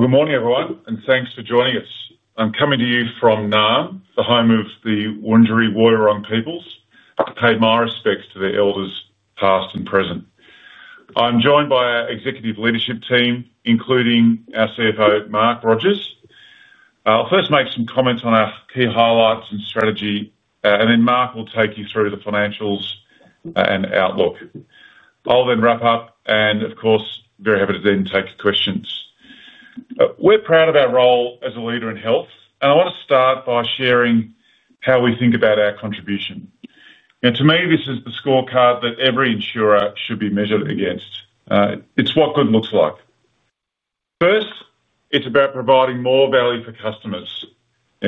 Good morning everyone and thanks for joining us. I'm coming to you from Naarm, the home of the Wurundjeri Woi Wurrung peoples, and pay my respects to their elders past and present. I'm joined by our Executive Leadership Team including our CFO Mark Rogers. I'll first make some comments on our key highlights and strategy, and then Mark will take you through the financials and outlook. I'll then wrap up and of course very happy to then take questions. We're proud of our role as a leader in health and I want to start by sharing how we think about our contribution. To me, this is the scorecard that every insurer should be measured against. It's what good looks like. First, it's about providing more value for customers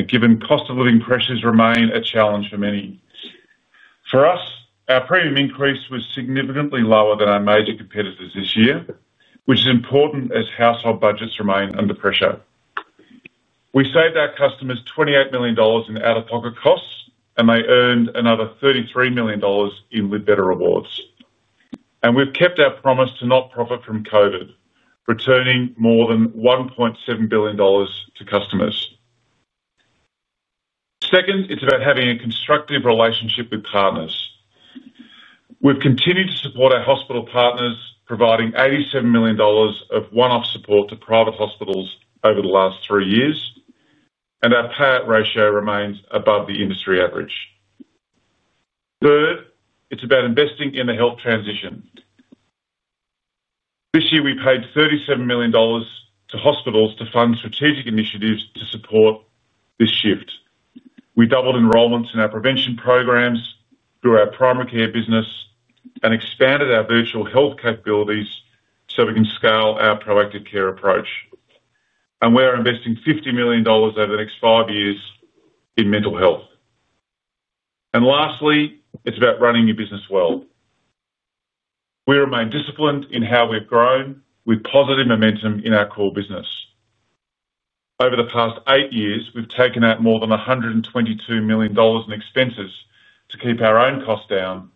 given cost of living pressures remaining a challenge for many. For us, our premium increase was significantly lower than our major competitors this year, which is important as household budgets remain under pressure. We saved our customers $28 million in out-of-pocket costs and they earned another $33 million in Live Better rewards. We've kept our promise to not profit from COVID, returning more than $1.7 billion to customers. Second, it's about having a constructive relationship with partners. We've continued to support our hospital partners, providing $87 million of one-off support to private hospitals over the last three years, and our payout ratio remains above the industry average. Third, it's about investing in the health transition. This year we paid $37 million to hospitals to fund strategic initiatives to support this shift. We doubled enrollments in our prevention programs through our primary care business and expanded our virtual health capabilities so we can scale our proactive care approach. We are investing $50 million over the next five years in mental health. Lastly, it's about running your business well. We remain disciplined in how we've grown with positive momentum in our core business. Over the past eight years, we've taken out more than $122 million in expenses to keep our own costs down.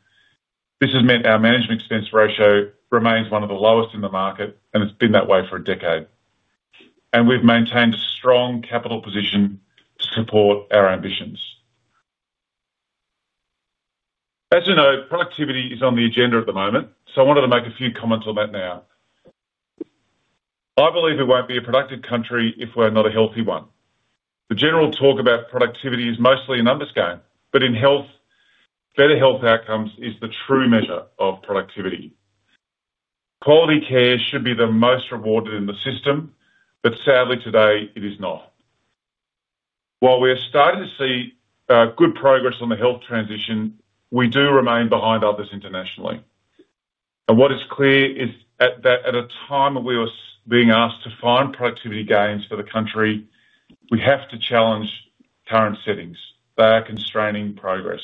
This has meant our management expense ratio remains one of the lowest in the market and it's been that way for a decade. We've maintained a strong capital position to support our ambitions. As you know, productivity is on the agenda at the moment, so I wanted to make a few comments on that. I believe we won't be a productive country if we're not a healthy one. The general talk about productivity is mostly an underscore, but in health, better health outcomes is the true measure of productivity. Quality care should be the most rewarded in the system, but sadly today it is not. While we are starting to see good progress on the health transition, we do remain behind others internationally. What is clear is that at a time we are being asked to find productivity gains for the country, we have to challenge current settings. They are constraining progress.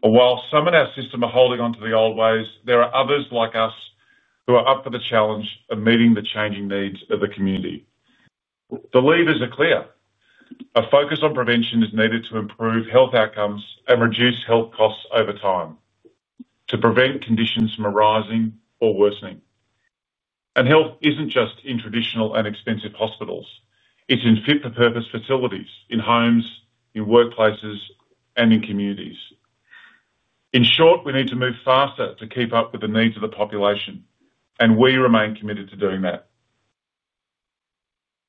While some in our system are holding onto the old ways, there are others like us who are up for the challenge of meeting the changing needs of the community. The levers are clear. A focus on prevention is needed to improve health outcomes and reduce health costs over time to prevent conditions from arising or worsening. Health isn't just in traditional and expensive hospitals, it's in fit for purpose facilities in homes, in workplaces, and in communities. In short, we need to move faster to keep up with the needs of the population and we remain committed to doing that.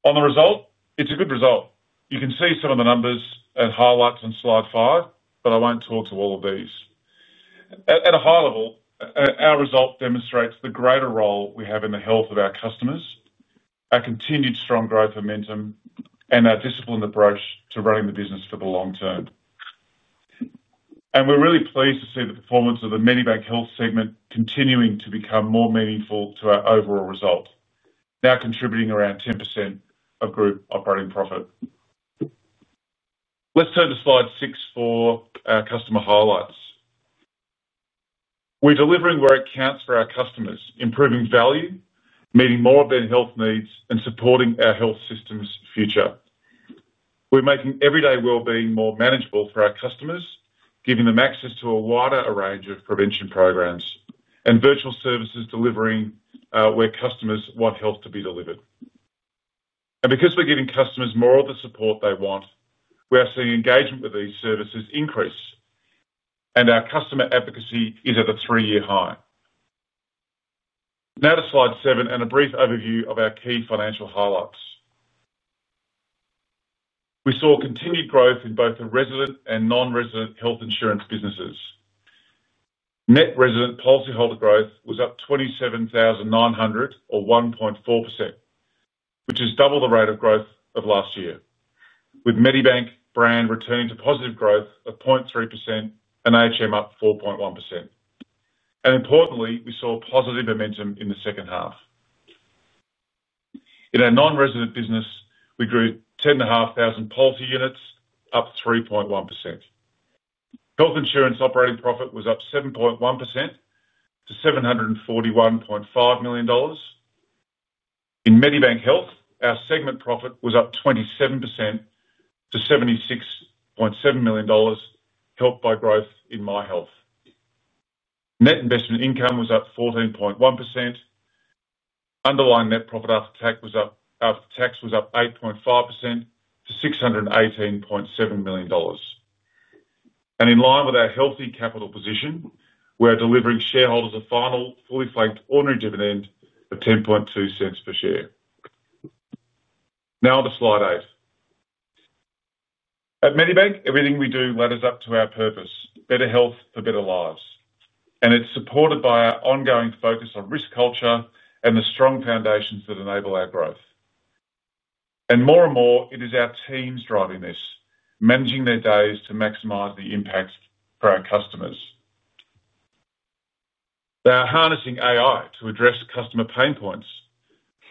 On the result, it's a good result. You can see some of the numbers and highlights on slide five, but I won't talk to all of these at a high level. Our result demonstrates the greater role we have in the health of our customers, our continued strong growth momentum, and our disciplined approach to running the business for the long term. We're really pleased to see the performance of the Medibank Health segment continuing to become more meaningful to our overall result, now contributing around 10% of group operating profit. Let's turn to slide six for our customer highlights. We're delivering where it counts for our customers, improving value, meeting more of their health needs, and supporting our health system's future. We're making everyday wellbeing more manageable for our customers, giving them access to a wider range of prevention programs and virtual services, delivering where customers want health to be delivered. Because we're giving customers more of the support they want, we are seeing engagement with these services increase and our customer advocacy is at a three year high. Now to slide seven and a brief overview of our key financial highlights. We saw continued growth in both the resident and non-resident health insurance businesses. Net resident policyholder growth was up 27,900 or 1.4%, which is double the rate of growth of last year, with Medibank brand returning to positive growth of 0.3% and HM up 4.1%. Importantly, we saw positive momentum in the second half. In our non-resident business, we grew 10,500 policy units, up 3.1%. Health insurance operating profit was up 7.1% to $741.5 million. In Medibank Health, our segment profit was up 27% to $76.7 million, helped by growth in Myhealth. Net investment income was up 14.1%. Underlying net profit after tax was up 8.5% to $618.7 million. In line with our healthy capital position, we are delivering shareholders a final fully franked ordinary dividend of $0.102 per share. Now onto slide eight. At Medibank, everything we do ladders up to our purpose: Better health for better lives. It is supported by our ongoing focus on risk culture and the strong foundations that enable our growth. More and more, it is our teams driving this, managing their days to maximize the impacts for our customers. They are harnessing AI to address customer pain points,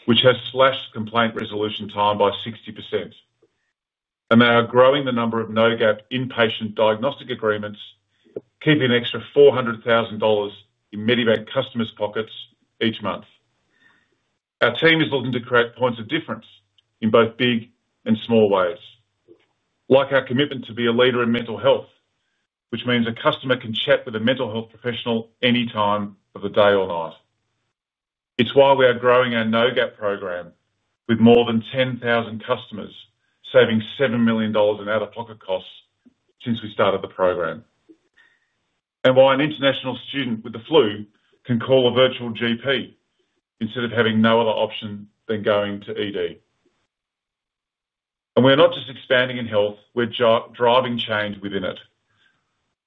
which has slashed complaint resolution time by 60%. They are growing the number of no gap inpatient diagnostic agreements, keeping an extra $400,000 in Medibank customers' pockets each month. Our team is looking to create points of difference in both big and small ways, like our commitment to be a leader in mental health, which means a customer can chat with a mental health professional any time of the day or night. It is why we are growing our no gap program, with more than 10,000 customers saving $7 million in out-of-pocket costs since we started the program. While an international student with the flu can call a virtual GP instead of having no other option than going to ED. We are not just expanding in health, we are driving change within it.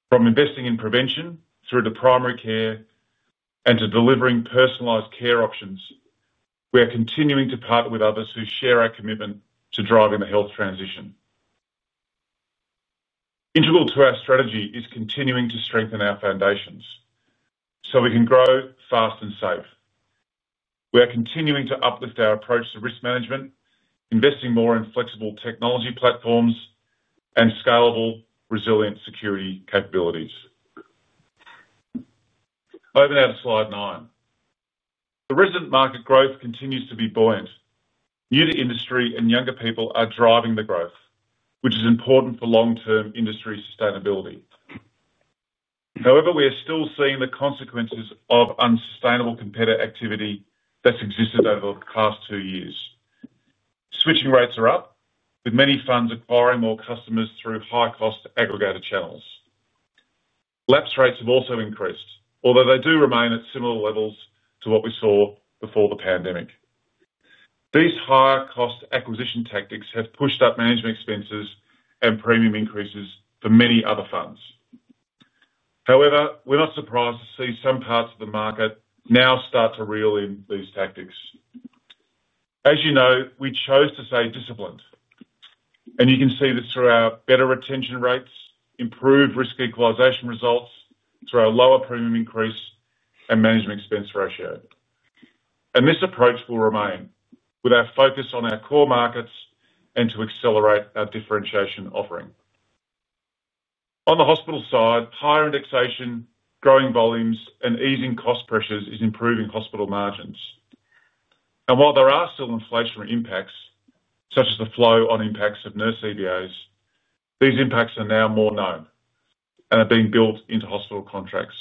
From investing in prevention through to primary care and to delivering personalized care options, we are continuing to partner with others who share our commitment to driving the health transition. Integral to our strategy is continuing to strengthen our foundations so we can grow fast and safe. We are continuing to uplift our approach to risk management, investing more in flexible technology platforms and scalable, resilient security capabilities. Over now to slide nine. The resident market growth continues to be buoyant. New to industry and younger people are driving the growth, which is important for long-term industry sustainability. However, we are still seeing the consequences of unsustainable competitive activity that's existed over the past two years. Switching rates are up, with many funds acquiring more customers through high-cost aggregated channels. Lapse rates have also increased, although they do remain at similar levels to what we saw before the pandemic. These higher-cost acquisition tactics have pushed up management expenses and premium increases for many other funds. We're not surprised to see some parts of the market now start to reel in these tactics. As you know, we chose to stay disciplined and you can see this throughout better retention rates, improved risk equalization results through our lower premium increase and management expense ratio. This approach will remain with our focus on our core markets and to accelerate our differentiation offering. On the hospital side, higher indexation, growing volumes, and easing cost pressures is improving hospital margins. While there are still inflationary impacts, such as the flow-on impacts of nurse EAVs, these impacts are now more known and are being built into hospital contracts.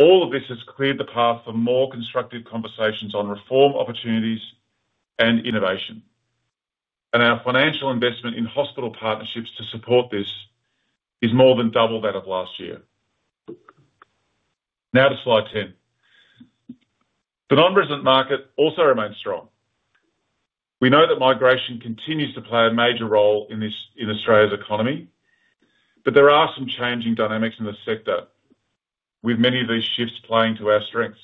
All of this has cleared the path for more constructive conversations on reform opportunities and innovation. Our financial investment in hospital partnerships to support this is more than double that of last year. Now to slide 10. The non-resident market also remains strong. We know that migration continues to play a major role in Australia's economy. There are some changing dynamics in the sector with many of these shifts playing to our strengths.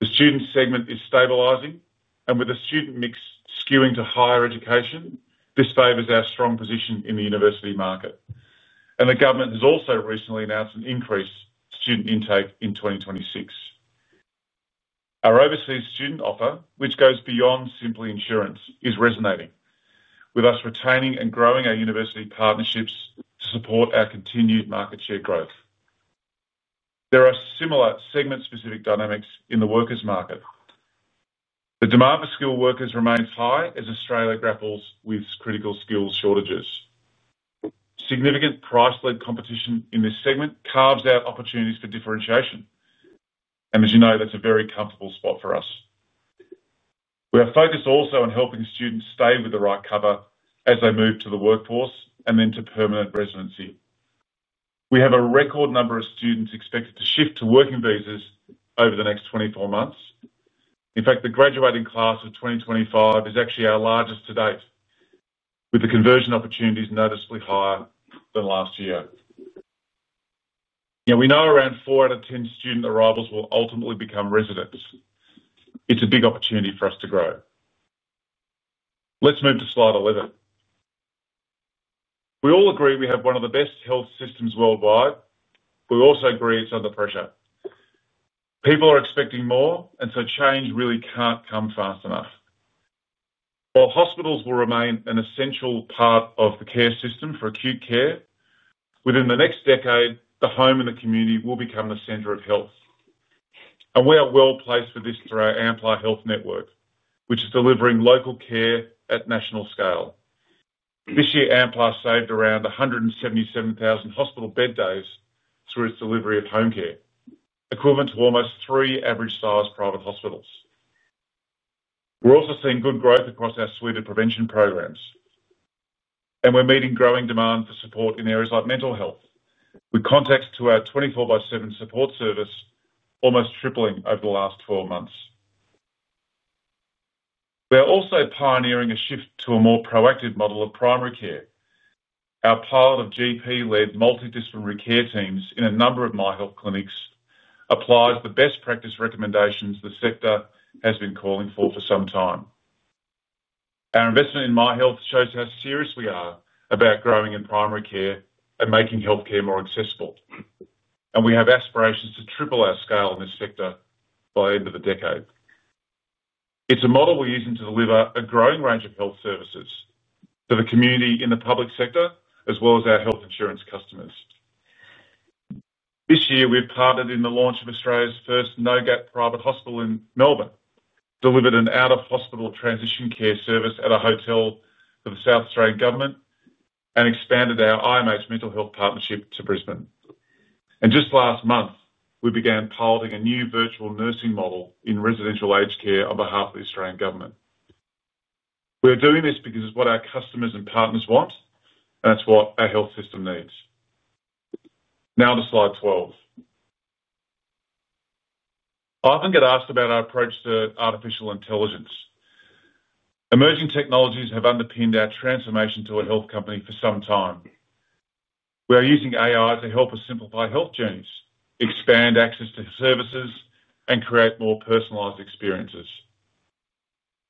The student segment is stabilizing and with the student mix skewing to higher education, this favors our strong position in the university market. The government has also recently announced an increased student intake in 2026. Our overseas student offer, which goes beyond simply insurance, is resonating with us, retaining and growing our university partnerships to support our continued market share growth. There are similar segment-specific dynamics in the workers market. The demand for skilled workers remains high as Australia grapples with critical skills shortages. Significant price-led competition in this segment carves out opportunities for differentiation. As you know, that's a very comfortable spot for us. We are focused also on helping students stay with the right cover as they move to the workforce and then to permanent residency. We have a record number of students expected to shift to working visas over the next 24 months. In fact, the graduating class of 2025 is actually our largest to date. With the conversion opportunities noticeably higher than last year, we know around four out of 10 student arrivals will ultimately become residents. It's a big opportunity for us to grow. Let's move to slide 11. We all agree we have one of the best health systems worldwide. We also agree it's under pressure. People are expecting more, and change really can't come fast enough. While hospitals will remain an essential part of the care system for acute care, within the next decade, the home and the community will become the center of health. We are well placed for this through our Amplar Health network, which is delivering local care at national scale. This year, Amplar Health saved around 177,000 hospital bed days through its delivery of home care, equivalent to almost three average-sized private hospitals. We're also seeing good growth across our suite of prevention programs, and we're meeting growing demand for support in areas like mental health. With contacts to our 24x7 support service almost tripling over the last 12 months, we are also pioneering a shift to a more proactive model of primary care. Our pilot of GP-led multidisciplinary care teams in a number of Myhealth clinics applies the best practice recommendations the sector has been calling for for some time. Our investment in Myhealth shows how serious we are about growing in primary care and making healthcare more accessible. We have aspirations to triple our scale in this sector by the end of the decade. It's a model we're using to deliver a growing range of health services for the community in the public sector as well as our health insurance customers. This year we've partnered in the launch of Australia's first no gap private hospital in Melbourne, delivered an out of hospital transition care service at a hotel for the South Australian government, and expanded our IMH mental health partnership to Brisbane. Just last month we began piloting a new virtual nursing model in residential aged care on behalf of the Australian government. We're doing this because of what our customers and partners want. That's what our health system needs. Now to slide 12. I often get asked about our approach to artificial intelligence. Emerging technologies have underpinned our transformation to a health company for some time. We are using AI to help us simplify health journeys, expand access to services, and create more personalized experiences.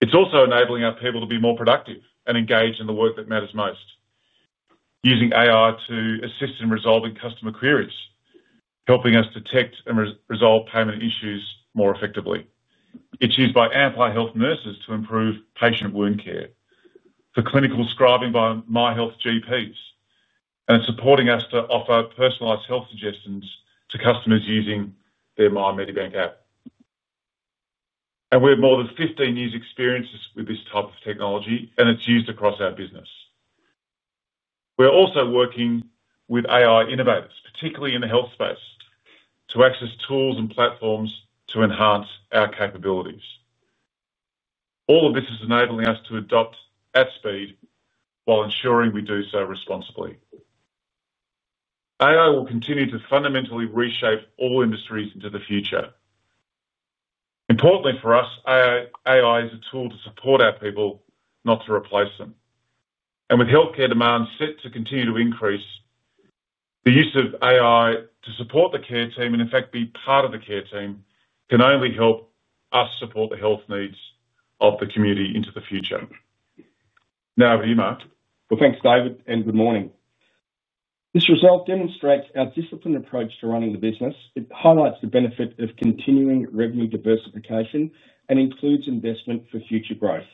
It's also enabling our people to be more productive and engaged in the work that matters most. Using AI to assist in resolving customer queries, helping us detect and resolve payment issues more effectively. It's used by Amplar Health nurses to improve patient wound care, for clinical scribing by Myhealth GPs, and supporting us to offer personalized health suggestions to customers using their Medibank app. We have more than 15 years' experience with this type of technology, and it's used across our business. We're also working with AI innovators, particularly in the health space, to access tools and platforms to enhance our capabilities. All of this is enabling us to adopt at speed while ensuring we do so responsibly. AI will continue to fundamentally reshape all industries into the future. Importantly for us, AI is a tool to support our people, not to replace them. With healthcare demand set to continue to increase, the use of AI to support the care team, and in fact be part of the care team, can only help us support the health needs of the community into the future. Now, over to you, Mark. Thanks David and good morning. This result demonstrates our disciplined approach to running the business. It highlights the benefit of continuing revenue diversification and includes investment for future growth.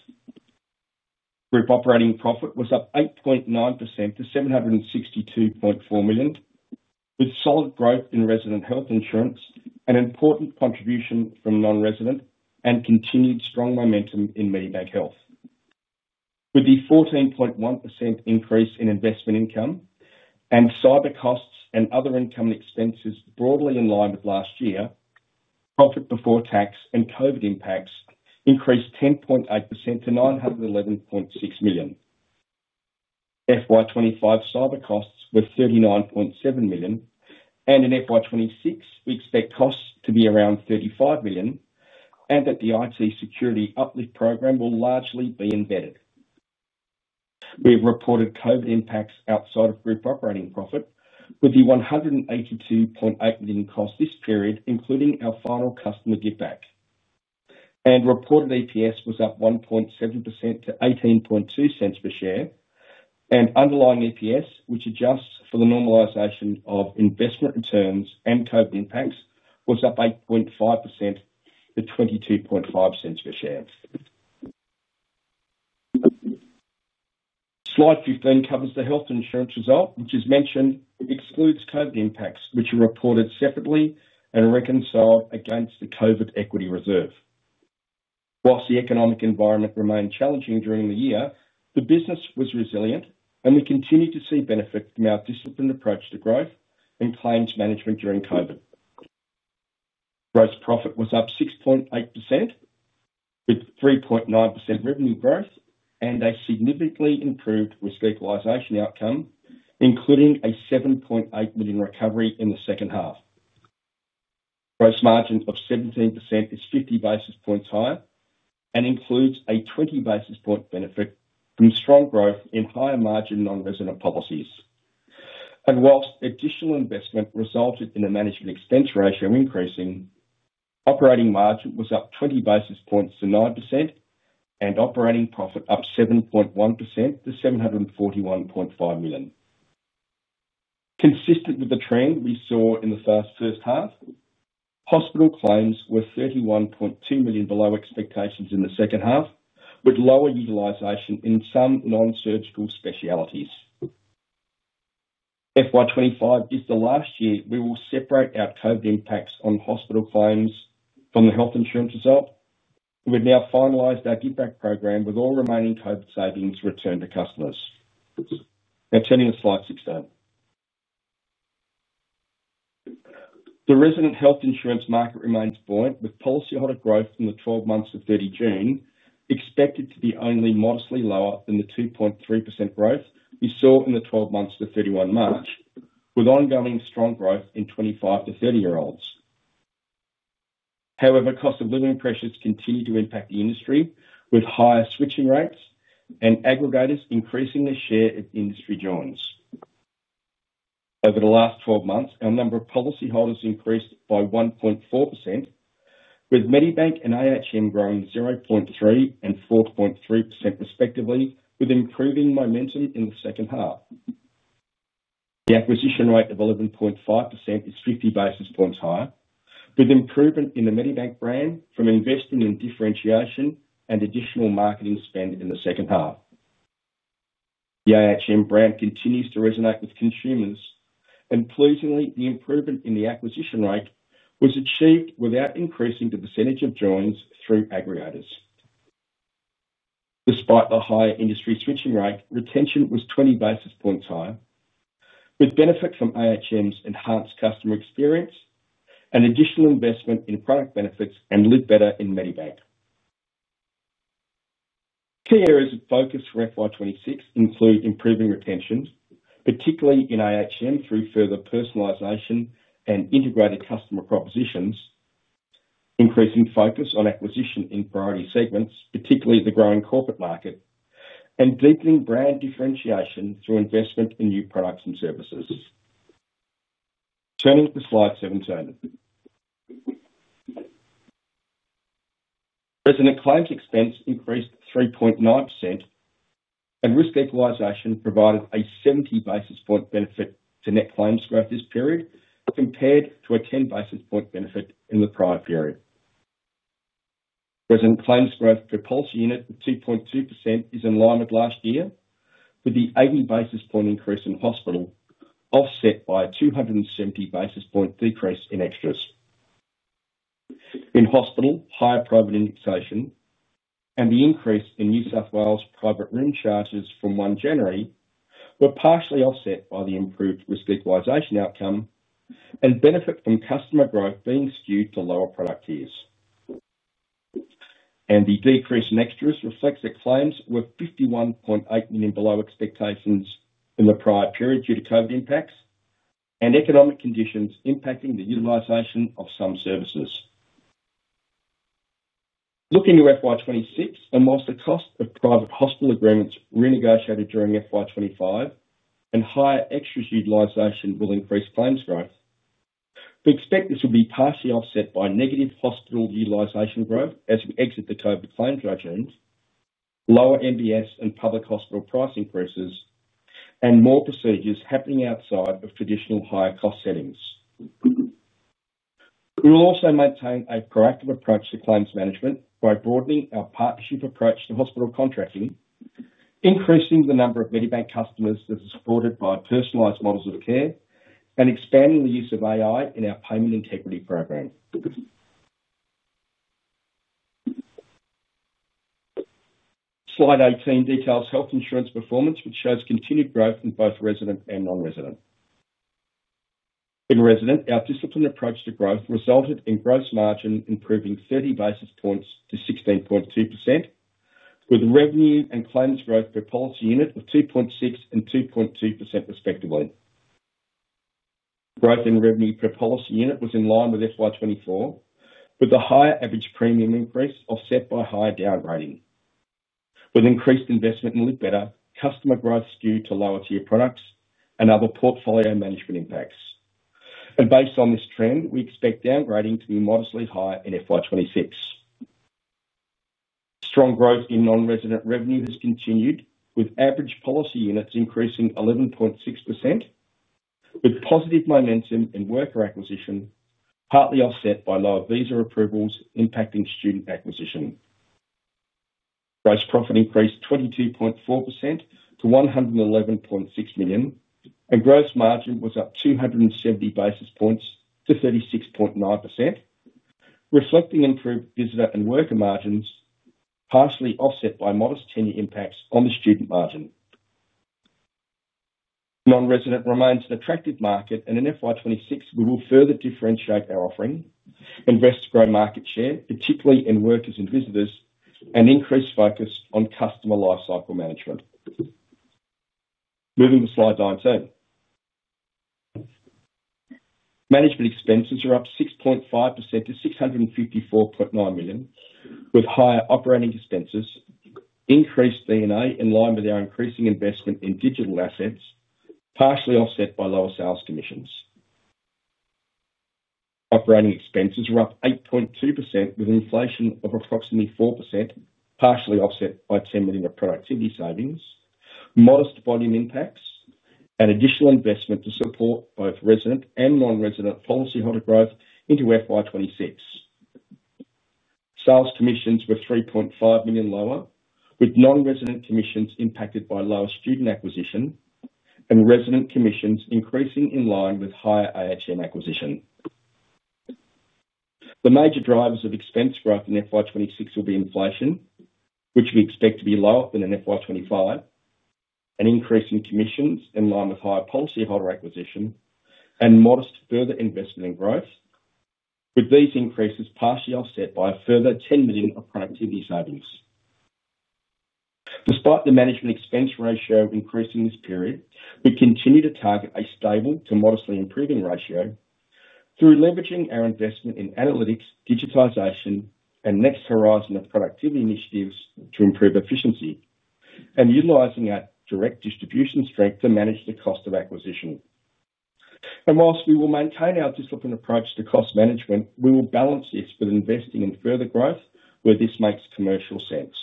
Group operating profit was up 8.9% to $762.4 million with solid growth in resident health insurance, an important contribution from non-residential, and continued strong momentum in Medibank Health with the 14.1% increase in investment income and cyber costs and other income expenses broadly in line with last year. Profit before tax and COVID impacts increased 10.8% to $911.6 million. FY 2025 cyber costs were $39.7 million and in FY 2026 we expect costs to be around $35 million and that the IT security uplift program will largely be embedded. We have reported COVID impacts outside of group operating profit with the $182.8 million costs this period including our final customer give back and reported EPS was up 1.7% to $0.182 per share and underlying EPS, which adjusts for the normalisation of investment returns and COVID impacts, was up 8.5% to $0.225 per share. Slide 15 covers the health insurance result, which as mentioned excludes COVID impacts which are reported separately and reconciled against the COVID equity reserve. Whilst the economic environment remained challenging during the year, the business was resilient and we continue to see benefit from our disciplined approach to growth and claims management. During COVID, gross profit was up 6.8% with 3.9% revenue growth and a significantly improved risk equalisation outcome, including a $7.8 million recovery in the second half. Gross margin of 17% is 50 basis points higher and includes a 20 basis point benefit from strong growth in higher margin non-resident policies, and whilst additional investment resulted in the management expense ratio increasing, operating margin was up 20 basis points to 9% and operating profit up 7.1% to $741.5 million, consistent with the trend we saw in the first half. Hospital claims were $31.2 million below expectations in the second half with lower utilisation in some non-surgical specialties. FY 2025 is the last year we will separate out COVID impacts on hospital claims from the health insurance result. We've now finalised our give back program with all remaining COVID savings returned to customers. Now turning to slide 16, the resident health insurance market remains buoyant with policyholder growth from the 12 months to 30 June expected to be only modestly lower than the 2.3% growth you saw in the 12 months to 31 June, with ongoing strong growth in 25-30 year olds. However, cost of living pressures continue to impact the industry with higher switching rates and aggregators increasing their share of industry joins. Over the last 12 months, our number of policyholders increased by 1.4%, with Medibank and ahm growing 0.3% and 4.3% respectively. With improving momentum in the second half, the acquisition rate of 11.5% is 50 basis points higher. With improvement in the Medibank brand from investing in differentiation and additional marketing spend in the second half, the ahm brand continues to resonate with consumers, and pleasingly the improvement in the acquisition rate was achieved without increasing the percentage of joins through aggregators. Despite the high industry switching rate, retention was 20 basis points higher with benefits from ahm's enhanced customer experience and additional investment in product benefits and Live Better in Medibank. Key areas of focus for FY 2026 include improving retention, particularly in ahm through further personalization and integrated customer propositions, increasing focus on acquisition in priority segments, particularly the growing corporate market, and deepening brand differentiation through investment in new products and services. Turning to slide 17, resident claims expense increased 3.9% and risk equalization provided a 70 basis point benefit to net claims growth this period compared to a 10 basis point benefit in the prior period. Present claims growth per policy unit, 2.2%, is in line with last year, with the 80 basis point increase in hospital offset by a 270 basis point decrease in extras. In hospital, higher private indexation and the increase in New South Wales private room charges from 1 January were partially offset by the improved risk equalization outcome and benefit from customer growth being skewed to lower product years, and the decrease in extras reflects that claims were $51.8 million below expectations in the prior period due to COVID impact and economic conditions impacting the utilization of some services. Looking to FY 2026, and as the cost of private hospital agreements with renegotiated during FY 2025 and higher extras utilization, will increase claims growth. We expect this will be partially offset by negative hospital utilization growth as we exit the COVID claims regimes, lower MBS and public hospital price increases, and more procedures happening outside of traditional higher cost settings. We will also maintain a proactive approach to claims management by broadening our partnership approach to hospital contracting, increasing the number of Medibank customers that are supported by personalized models of care, and expanding the use of AI in our payment integrity program. Slide 18 details health insurance performance, which shows continued growth in both resident and non-resident. Our disciplined approach to growth resulted in gross margin improving 30 basis points to 16.2%, with revenue and claims growth per policy unit of 2.6% and 2.2% respectively. Growth in revenue per policy unit was in line with FY 2024, with the higher average premium increase offset by higher downgrading, with increased investment in live, better customer growth skewed to lower tier products, and other portfolio management impacts. Based on this trend, we expect downgrading to be modestly higher in FY 2026. Strong growth in non-resident revenue has continued, with average policy units increasing 11.6%, with positive momentum in worker acquisition partly offset by lower visa approvals impacting student acquisition. Gross profit increased 22.4% to $111.6 million, and gross margin was up 270 basis points to 36.9%, reflecting improved visitor and worker margins, partially offset by modest tenure impacts on the student margin. Non-resident remains an attractive market, and in FY 2026 we will further differentiate our offering, invest, grow market share particularly in workers and visitors, and increase focus on customer lifecycle management. Moving to Slide nine and 10, management expenses are up 6.5% to $654.9 million, with higher operating expenses, increased DNA in line with our increasing investment in digital assets, partially offset by lower sales commissions. Operating expenses are up 8.2%, with inflation of approximately 4% partially offset by $10 million of productivity savings, modest volume impacts, and additional investment to support both resident and non-resident policyholder growth into FY 2026. Sales commissions were $3.5 million lower, with non-resident commissions impacted by lower student acquisition and resident commissions increasing in line with higher ahm acquisition. The major drivers of expense growth in FY 2026 will be inflation, which we expect to be lower than in FY 2025, an increase in commissions in line with higher policyholder acquisition, and modest further investment in growth, with these increases partially offset by a further $10 million of productivity savings. Despite the management expense ratio increasing this period, we continue to target a stable to modestly improving ratio through leveraging our investment in analytics, digitization, and next horizon of productivity initiatives to improve efficiency and utilizing our direct distribution strength to manage the cost of acquisition. Whilst we will maintain our disciplined approach to cost management, we will balance this with investing in further growth where this makes commercial sense.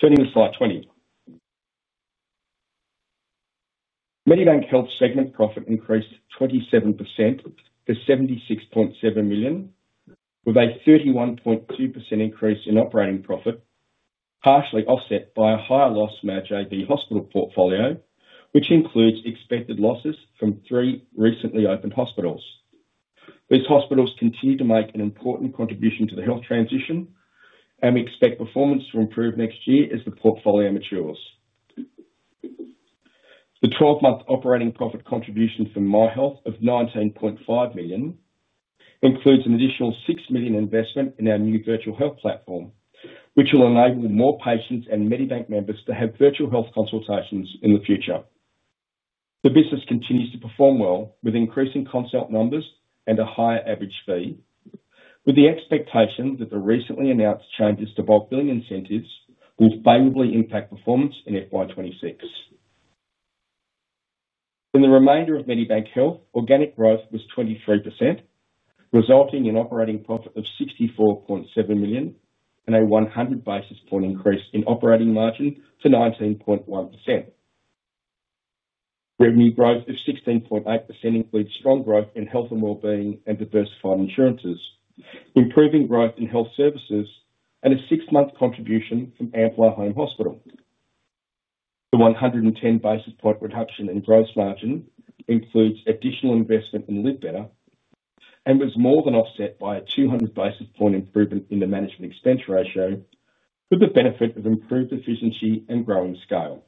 Turning to slide 20, Medibank Health segment profit increased 27% to $76.7 million, with a 31.2% increase in operating profit partially offset by a higher loss from our JV hospital portfolio, which includes expected losses from three recently opened hospitals. These hospitals continue to make an important contribution to the health transition, and we expect performance to improve next year as the portfolio matures. The 12-month operating profit contribution from Myhealth of $19.5 million includes an additional $6 million investment in our new virtual health platform, which will enable more patients and Medibank members to have virtual health consultations in the future. The business continues to perform well with increasing consult numbers and a higher average fee, with the expectation that the recently announced changes to bulk billing incentives will favorably impact performance in FY 2026. In the remainder of Medibank Health, organic growth was 23%, resulting in operating profit of $64.7 million and a 100 basis point increase in operating margin to 19.1%. Revenue growth of 16.8% includes strong growth in health and wellbeing and diversified insurances, improving growth in health services, and a six-month contribution from Amplar Home Hospital. The 110 basis point reduction in gross margin includes additional investment in Live Better and was more than offset by a 200 basis point improvement in the management expense ratio. With the benefit of improved efficiency and growing scale,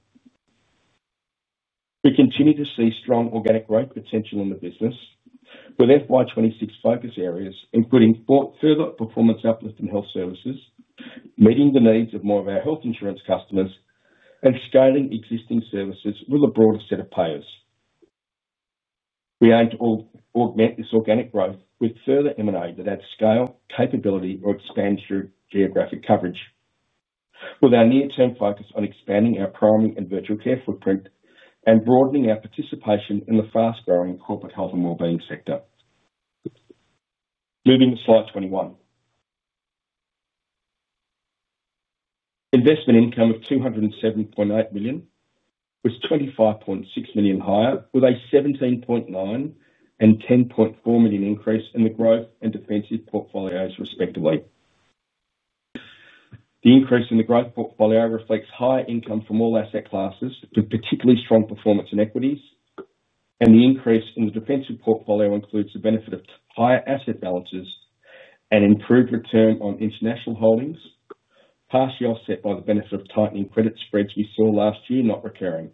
we continue to see strong organic growth potential in the business with FY 2026 focus areas including further performance uplift in health services, meeting the needs of more of our health insurance customers, and scaling existing services with a broader set of payers. We aim to augment this organic growth with further M&A that adds scale capability or expands geographic coverage with our near-term focus on expanding our primary and virtual care footprint and broadening our participation in the fast-growing corporate health and wellbeing sector. Moving to slide 21, investment income of $207.8 million was $25.6 million higher, with a $17.9 million and $10.4 million increase in the growth and defensive portfolios, respectively. The increase in the growth portfolio reflects higher income from all asset classes, with particularly strong performance in equities, and the increase in the defensive portfolio includes the benefit of higher asset balances and improved return on international holdings, partially offset by the benefit of tightening credit spreads we saw last year not recurring.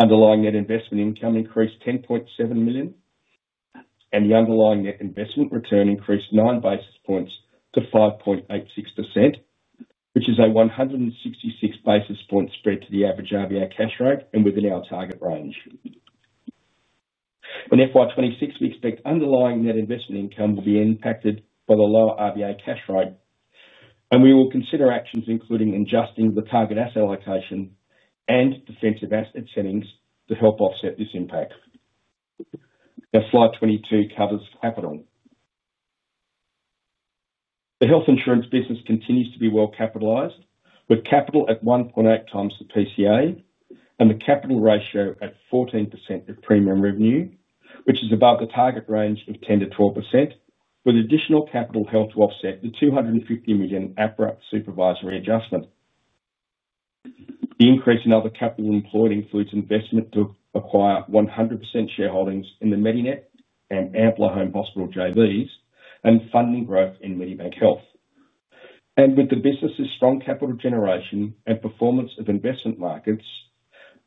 Underlying net investment income increased $10.7 million, and the underlying net investment return increased 9 basis points to 5.86%, which is a 166 basis point spread to the average RBA cash rate and within our target range on FY 2026. We expect underlying net investment income will be impacted by the lower RBA cash rate, and we will consider actions including adjusting the target asset allocation and defensive asset settings to help offset this impact. Now, slide 22 covers capital. The health insurance business continues to be well capitalized, with capital at 1.8x the PCA and the capital ratio at 14% of premium revenue, which is above the target range of 10%-12%, with additional capital held to offset the $250 million APRA supervisory adjustment. The increase in other capital employed includes investment to acquire 100% shareholdings in the Medinet and Amplar home hospital JVs and funding growth in Medibank Health. With the business's strong capital generation and performance of investment markets,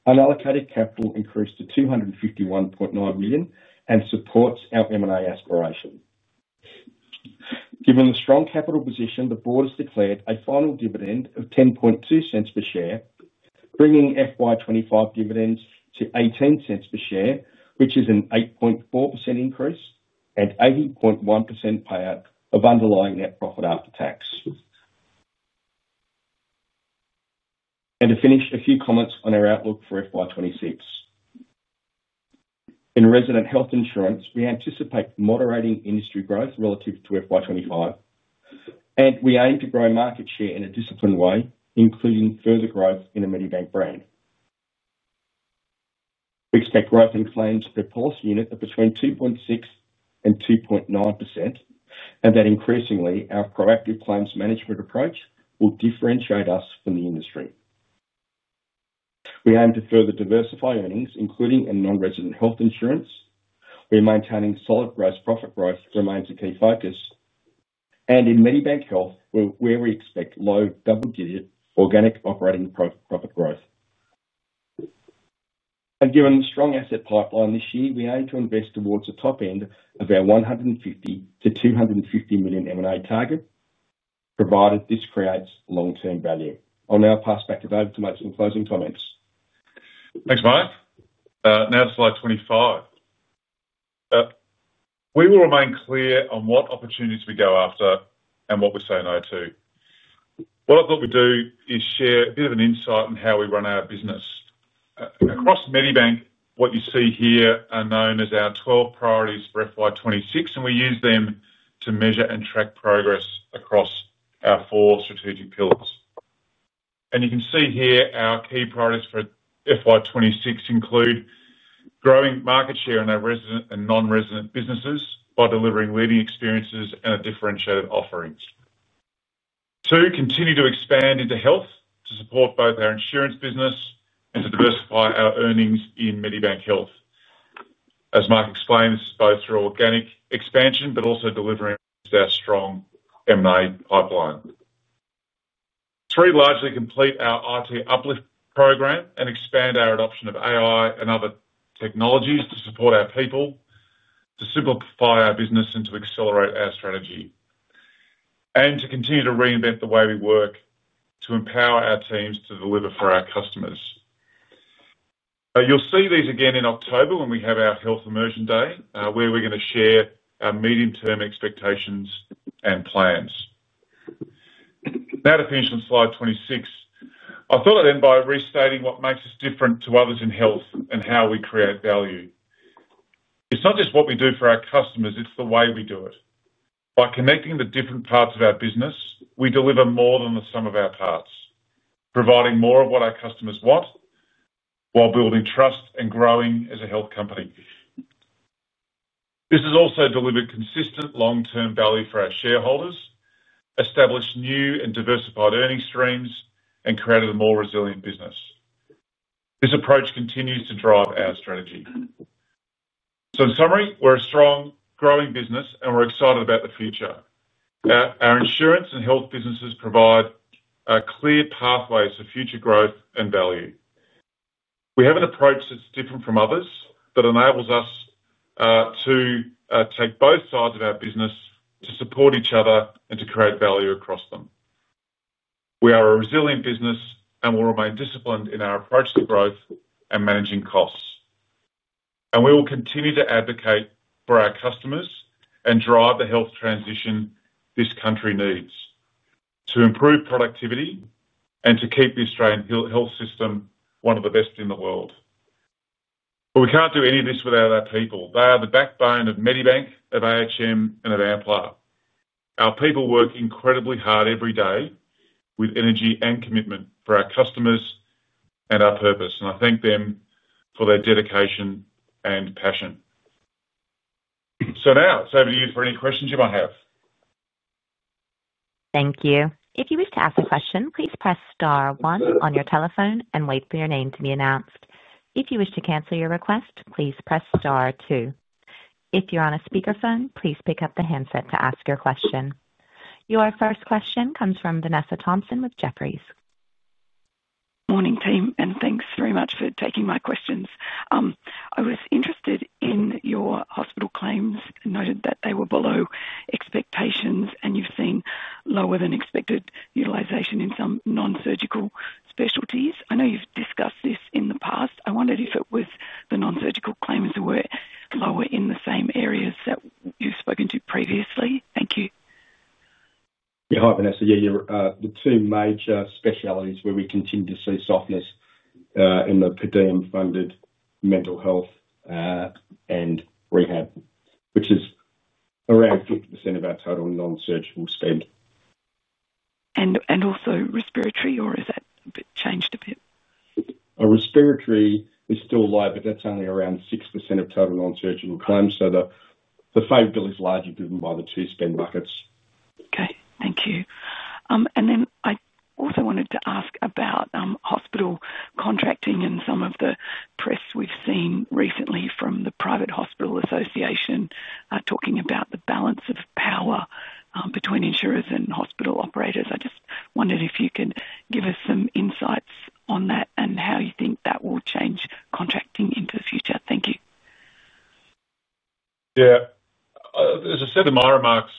unallocated capital increased to $251.9 million and supports our M&A aspiration. Given the strong capital position, the Board has declared a final dividend of $0.102 per share, bringing FY 2025 dividends to $0.18 per share, which is an 8.44% increase and 18.1% payout of underlying net profit after tax. To finish, a few comments on our outlook for FY 2026: in resident health insurance, we anticipate moderating industry growth relative to FY 2025, and we aim to grow market share in a disciplined way, including further growth in the Medibank brand. We expect growth in claims per policy unit at between 2.6% and 2.9%, and that increasingly our proactive claims management approach will differentiate us from the industry. We aim to further diversify earnings, including in non-resident health insurance, where maintaining solid gross profit growth remains a key focus, and in Medibank Health, where we expect low double-digit organic operating profit growth. Given strong asset pipeline, this year we aim to invest towards the top end of our $150 million-250 million M&A target, provided this creates long term value. I'll now pass back to David to make some closing comments. Thanks, Mark. Now to slide 25. We will remain clear on what opportunities we go after and what we say no to. What I thought we'd do is share a bit of an insight on how we run our business across Medibank. What you see here are known as our 12 priorities for FY 2026, and we use them to measure and track progress across our four strategic pillars. You can see here our key priorities for FY 2026 include growing market share in our resident and non-resident businesses by delivering leading experience and differentiated offerings. Two, continue to expand into health to support both our insurance business and to diversify our earnings in Medibank Health as Mark explains, both through organic expansion but also delivering our strong M&A pipeline. Largely complete our IT uplift program and expand our adoption of AI and other technologies to support our people, to simplify our business and to accelerate our strategy, and to continue to reinvent the way we work to empower our teams to deliver for our customers. You'll see these again in October when we have our Health Immersion Day where we're going to share our medium-term expectations and plans. That appears on slide 26. I thought I'd end by restating what makes us different to others in health and how we create value. It's not just what we do for our customers, it's the way we do it. By connecting the different parts of our business, we deliver more than the sum of our parts, providing more of what our customers want while building trust and growing as a health company. This has also delivered consistent long-term value for our shareholders, established new and diversified earnings streams, and created a more resilient business. This approach continues to drive our strategy. In summary, we're a strong, growing business and we're excited about the future. Our insurance and health businesses provide clear pathways for future growth and value. We have an approach that's different from others that enables us to take both sides of our business, to support each other and to create value across them. We are a resilient business and will remain disciplined in our approach to growth and managing costs, and we will continue to advocate for our customers and drive the health transition this country needs to improve productivity and to keep the Australian health system one of the best in the world. We can't do any of this without our people. They are the backbone of Medibank, of ahm, and of Amplar. Our people work incredibly hard every day with energy and commitment for our customers and our purpose, and I thank them for their dedication and passion. Now it's over to you for any questions you might have. Thank you. If you wish to ask a question, please press Star, one on your telephone and wait for your name to be announced. If you wish to cancel your request, please press Star, two. If you're on a speakerphone, please pick up the handset to ask your question. Your first question comes from Vanessa Thompson with Jefferies. Morning team, and thanks very much for taking my questions. I was interested in your hospital claims, noted that they were below expectations, and you've seen lower than expected utilization in some non-surgical specialties. I know you've discussed this in the past. I wondered if it was the non-surgical claims were lower in the same areas that you've spoken to previously. Thank you. Hi Vanessa. The two major specialties where we continue to see softness in the per diem funded mental health and rehab, which is around 50% of our total non surgical spend. And also respiratory, or has that changed a bit? A respiratory is still live, but that's only around 6% of total non-surgical claims. The favorable is largely driven by the two spend buckets. Okay, thank you. I also wanted to ask about hospital contracting and some of the press we've seen recently from the private hospital association talking about the balance of power between insurers and hospital operators. I just wondered if you could give us some insights on that and how you think that will change contracting into the future. Thank you. Yeah, as I said in my remarks,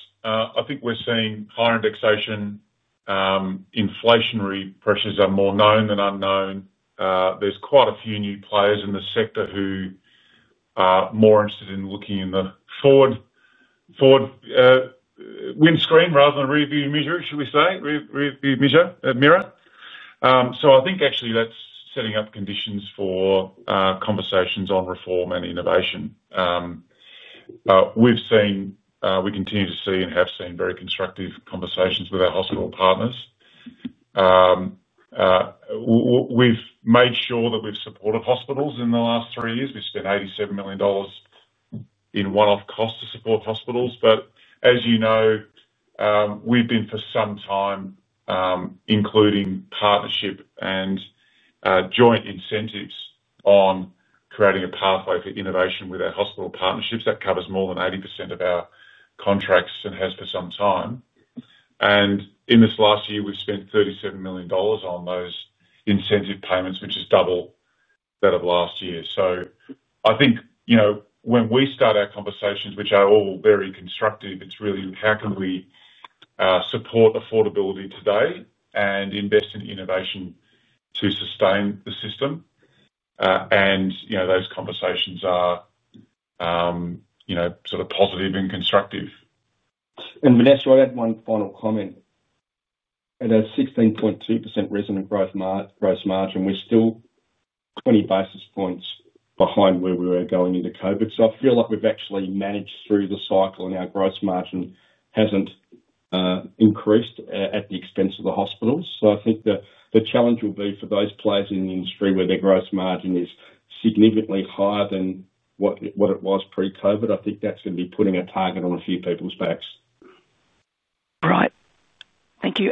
I think we're seeing higher indexation. Inflationary pressures are more known than unknown. There's quite a few new players in the sector who are more interested in looking in the forward windscreen rather than rear view mirror, should we say rear view mirror. I think actually that's setting up conditions for conversations on reform and innovation. We've seen, we continue to see and have seen very constructive conversations with our hospital partners. We've made sure that we've supported hospitals. In the last three years we spent $87 million in one-off cost to support hospitals. As you know, we've been for some time including partnership and joint incentives on creating a pathway for innovation with our hospital partnerships that covers more than 80% of our contracts and has for some time, and in this last year we've spent $37 million on those incentive payments, which is double that of last year. I think, you know, when we start our conversations, which are all very constructive, it's really how can we support affordability today and invest in innovation to sustain the system? You know, those conversations are, you know, sort of positive and constructive. Vanessa, I'd add one final comment. At a 16.2% resident gross margin, we're still 20 basis points behind where we we're going into COVID. I feel like we've actually managed through the cycle and our gross margin hasn't increased at the expense of the hospitals. I think the challenge will be for those players in the industry where their gross margin is significantly higher than what it was pre-Covid. I think that's going to be putting a target on a few people's backs. Thank you.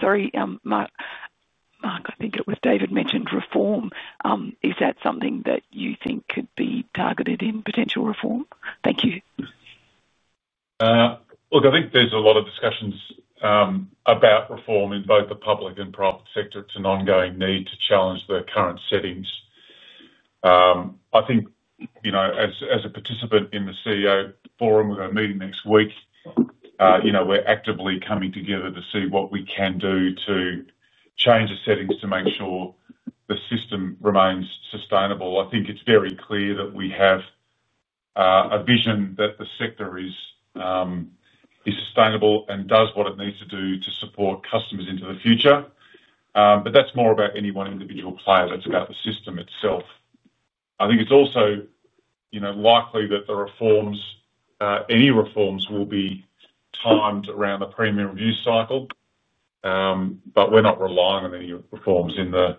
Sorry, Mark, I think it was David mentioned reform. Is that something that you think could be targeted in potential reform? Thank you. Look, I think there's a lot of discussions about reform in both the public and private sector. It's an ongoing need to challenge the current settings. I think, as a participant in the CEO forum, we've got a meeting next week. We're actively coming together to see what we can do to change the settings to make sure the system remains sustainable. I think it's very clear that we have a vision that the sector is sustainable and does what it needs to do to support customers into the future. That's more about any one individual player. That's about the system itself. I think it's also likely that the reforms, any reforms, will be timed around the premium review cycle, but we're not relying on any reforms in the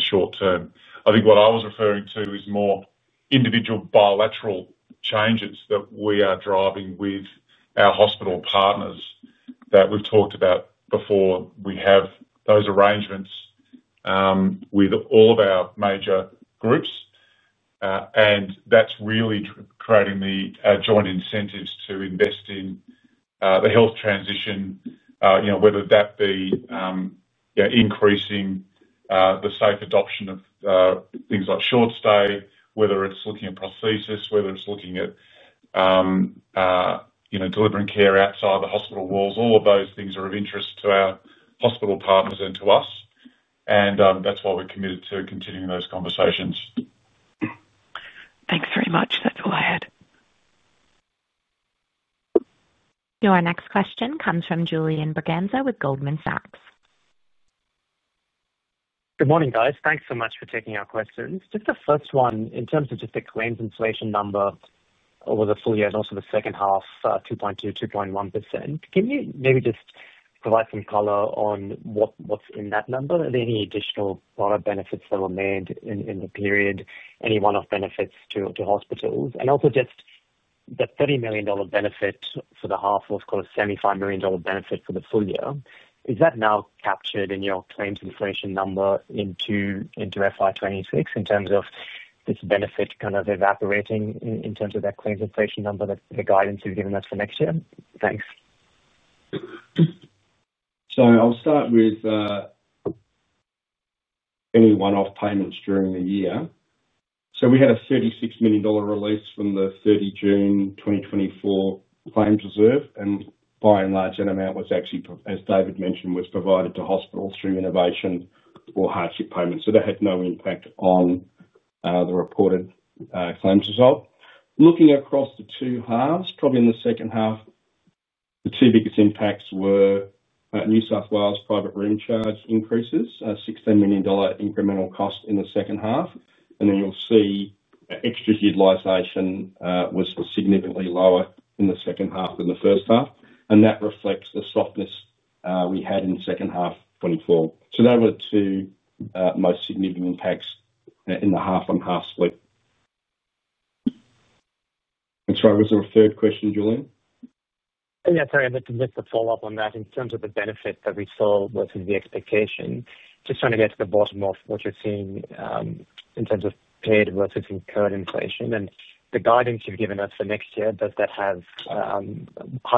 short term. What I was referring to is more individual bilateral changes that we are driving with our hospital partners that we've talked about before. We have those arrangements with all of our major groups and that's really creating joint incentives to invest in the health transition. Whether that be increasing the safe adoption of things like short stay, whether it's looking at prosthesis, whether it's looking at delivering care outside the hospital walls, all of those things are of interest to our hospital partners and to us. That's why we're committed to continuing those conversations. Thanks very much. That's all. Your next question comes from Julian Braganza with Goldman Sachs. Good morning, guys. Thanks so much for taking our questions. Just the first one in terms of just the claims inflation number over the full year and also the second half, 2.2%, 2.1%. Can you maybe just provide some color on what's in that number and any additional bottom benefits that were made in the period, any one-off benefits to hospitals. Also, just the $30 million benefit for the half was called a $75 million benefit for the full year. Is that now captured in your claims inflation number into FY 2026 in terms of this benefit kind of evaporating in terms of that claims inflation number that the guidance has given us for next year. Thanks. I'll start with any one-off payments during the year. We had a $36 million release from the 30 June 2024 claims reserve. By and large, that amount was actually, as David mentioned, provided to hospitals through innovation or hardship payments. That had no impact on the reported claims result. Looking across the two halves, probably in the second half, the two biggest impacts were New South Wales private room charge increases, $16 million incremental cost in the second half. You'll see extras utilization was significantly lower in the second half than the first half, and that reflects the softness we had in second half 2024. Those were the two most significant impacts in the half-on-half split. Sorry, was there a third question, Julian? Sorry, I meant to just follow up on that. In terms of the benefit that we saw was in the expectation. Just trying to get to the bottom of what you're seeing in terms of paid versus incurred inflation and the guidance you've given us for next year. How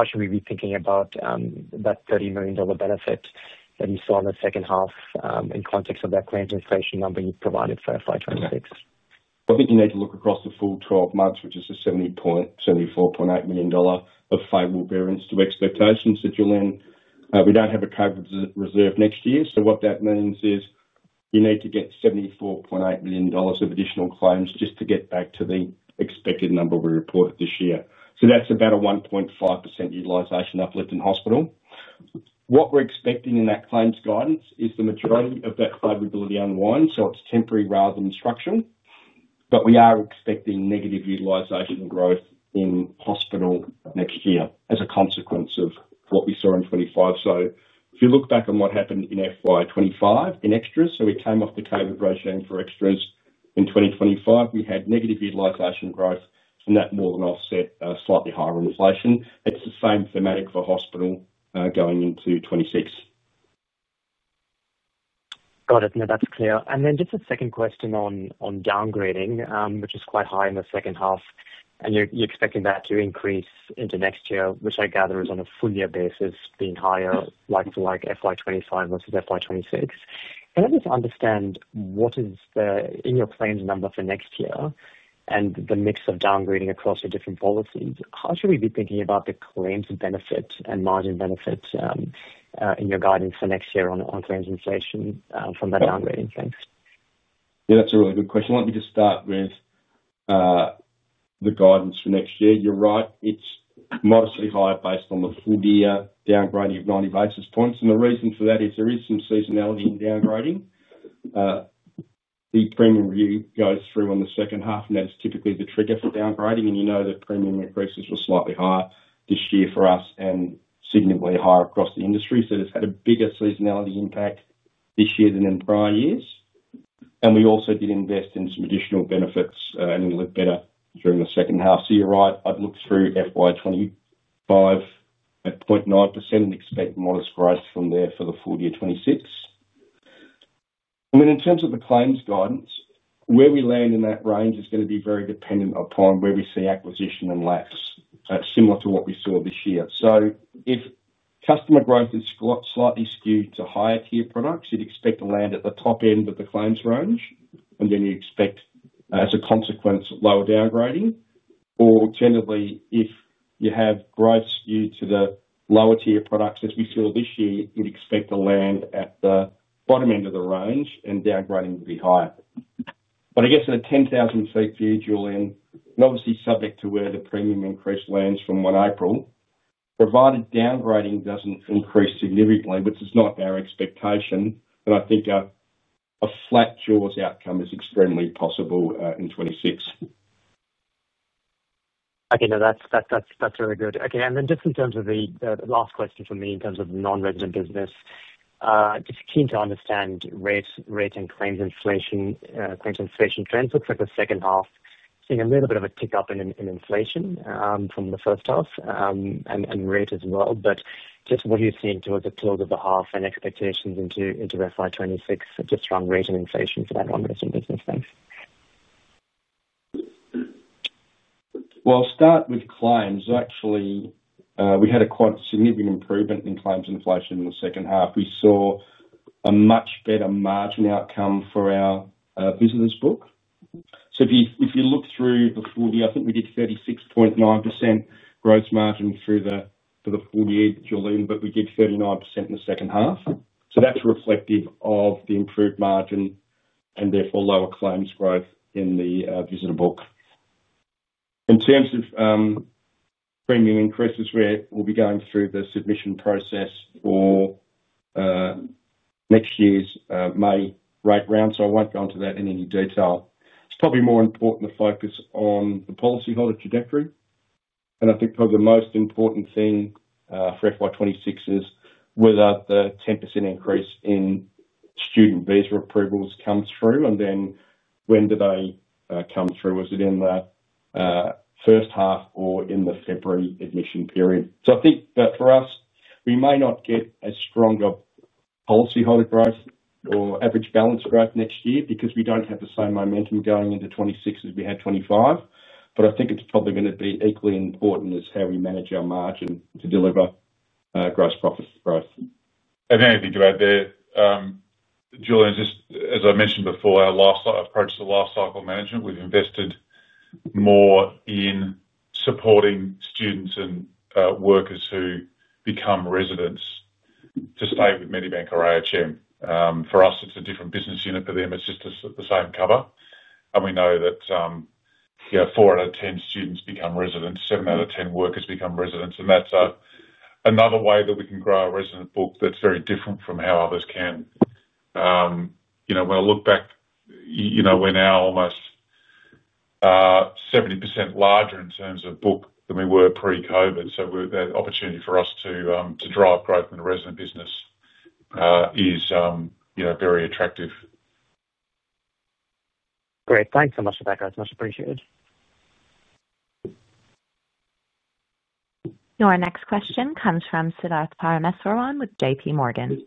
should we be thinking about that $30 million benefit that you saw in the second half in context of that claims inflation number you provided for FY 2026? I think you need to look across the full 12 months, which is a 70 point, $74.8 million of favorable bearings to expectations. Julianne, we don't have a COVID reserve next year. What that means is you need to get $74.8 million of additional claims just to get back to the expected number we reported this year. That's about a 1.5% utilization uplift on hospital. What we're expecting in that claims guidance is the majority of that favorability unwind, so it's temporary rather than structural. We are expecting negative utilization growth in hospital next year as a consequence of what we saw in 2025. If you look back on what happened in FY 2025 in extras, we came off the COVID ratio. For extras in 2025 we had negative utilization growth and that more than offset slightly higher inflation. It's the same thematic for hospital going into 2026. Got it. No, that's clear. Just a second question on downgrading, which is quite high in the second half and you're expecting that to increase into next year, which I gather is on a full year basis being higher likely, like FY 2025 versus FY 2026. Can I just understand what is in your claims number for next year and the mix of downgrading across the different policies? How should we be thinking about the claims benefit and margin benefit in your guidance for next year on claims inflation from that downgrading? Thanks. Yeah, that's a really good question. Let me just start with the guidance for next year. You're right, it's modestly higher based on the full year downgrading of 90 basis points. The reason for that is there is some seasonality in downgrading, the premium view goes through on the second half and that is typically the trigger for downgrading. You know that premium increases were slightly higher this year for us and significantly higher across the industry. It has had a bigger seasonality impact this year than in prior years. We also did invest in some additional benefits and it will look better during the second half. You're right. I'd look through FY 2025 at 0.9% and expect modest growth from there for the full year 2026. I mean in terms of the claims guidance, where we land in that range is going to be very dependent upon where we see acquisition and lapse similar to what we saw this year. If customer growth is slightly skewed to higher tier products, you'd expect to land at the top end of the claims range and then you expect as a consequence lower downgrading. Alternatively, if you have growth due to the lower tier products as we saw this year, you'd expect to land at the bottom end of the range and downgrading will be higher. I guess in a 10,000 ft view dual end and obviously subject to where the premium increase lands from 1 April, provided downgrading doesn't increase significantly, which is not our expectation, I think a flat jaws outcome is extremely possible in 2026. Okay, now that's really good. Okay. In terms of the last question for me in terms of non-resident business, keen to understand rate and claims inflation. Claims inflation trends look like the second half has seen a little bit of a tick up in inflation from the first half and rate as well. Just what you've seen towards the close of the half and expectations into FY 2026. Just strong rate in inflation for that long mission business? Thanks. I'll start with claims. Actually, we had a quite significant improvement in claims inflation in the second half. We saw a much better margin outcome for our visitors book. If you look through the full year, I think we did 36.9% gross margin for the full year that you're in, but we did 39% in the second half. That's reflective of the improved margin and therefore lower claims growth in the visitor book. In terms of premium increases, we will be going through the submission process for next year's May rate round, so I won't go into that in any detail. It's probably more important to focus on the policyholder trajectory. I think probably the most important thing for FY 2026 is whether the 10% increase in student visa approvals comes through, and then when do they come through. Is it in the first half or in the February admission period? I think that for us, we may not get a stronger policyholder growth or average balance growth next year because we don't have the same momentum going into 2026 as we had in 2025. I think it's probably going to be equally important as how we manage our margin to deliver gross profit growth. Anything to add there, Julian? As I mentioned before, our approach to life cycle management, we've invested more in supporting students and workers who become residents to stay with Medibank or ahm. For us, it's a different business unit. For them, it's just the same cover. We know that 4 out of 10 students become residents, seven out of 10 workers become residents. That's another way that we can grow a resident book that's very different from how others can. Looking back, we're now almost 70% larger in terms of book than we were pre-COVID. The opportunity for us to drive growth in the resident business is very attractive. Great. Thanks so much for that, guys. Much appreciated. Your next question comes from Siddharth Parameswaran with JP Morgan.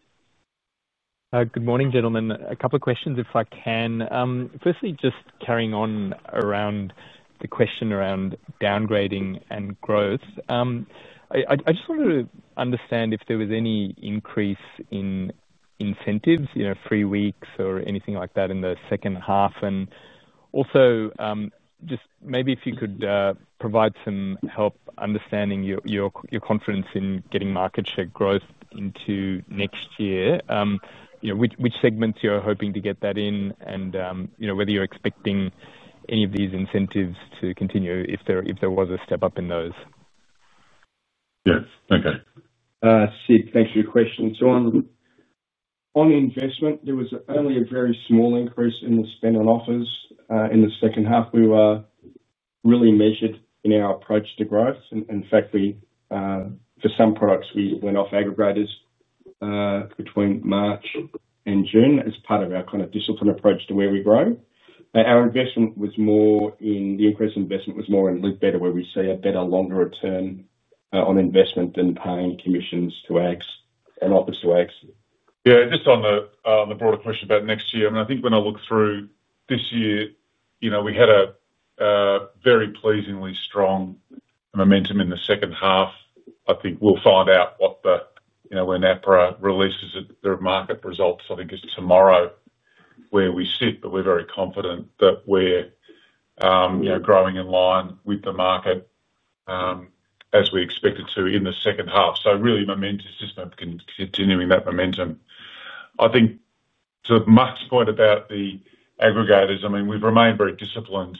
Good morning, gentlemen. A couple of questions, if I can. Firstly, just carrying on around the question around downgrading and growth, I just wanted to understand if there was any increase in incentives, you know, three weeks or anything like that in the second half. Also, maybe if you could provide some help understanding your confidence in getting market share growth into next year, which segments you're hoping to get that in, and whether you're expecting any of these incentives to continue, if there was a step up in those? Yes. Okay, Sid, thanks for your question. John, on investment, there was only a very small increase in the spend on offers in the second half. We were really measured in our approach to growth. In fact, for some products, we went off aggregators between March and June as part of our kind of disciplined approach to where we grow. Our investment was more in. The increased investment was more in link better where we see a better, longer return on investment than paying commissions to AGs and offers to AGs. Yeah, just on the broader question about next year, I mean, I think when I look through this year, we had a very pleasingly strong momentum in the second half. I think we'll find out when APRA releases their market results, I think it's tomorrow where we sit. We're very confident that we're growing in line with the market as we expected to in the second half. Really, it's just about continuing that momentum. I think to Mark's point about the aggregators, we've remained very disciplined.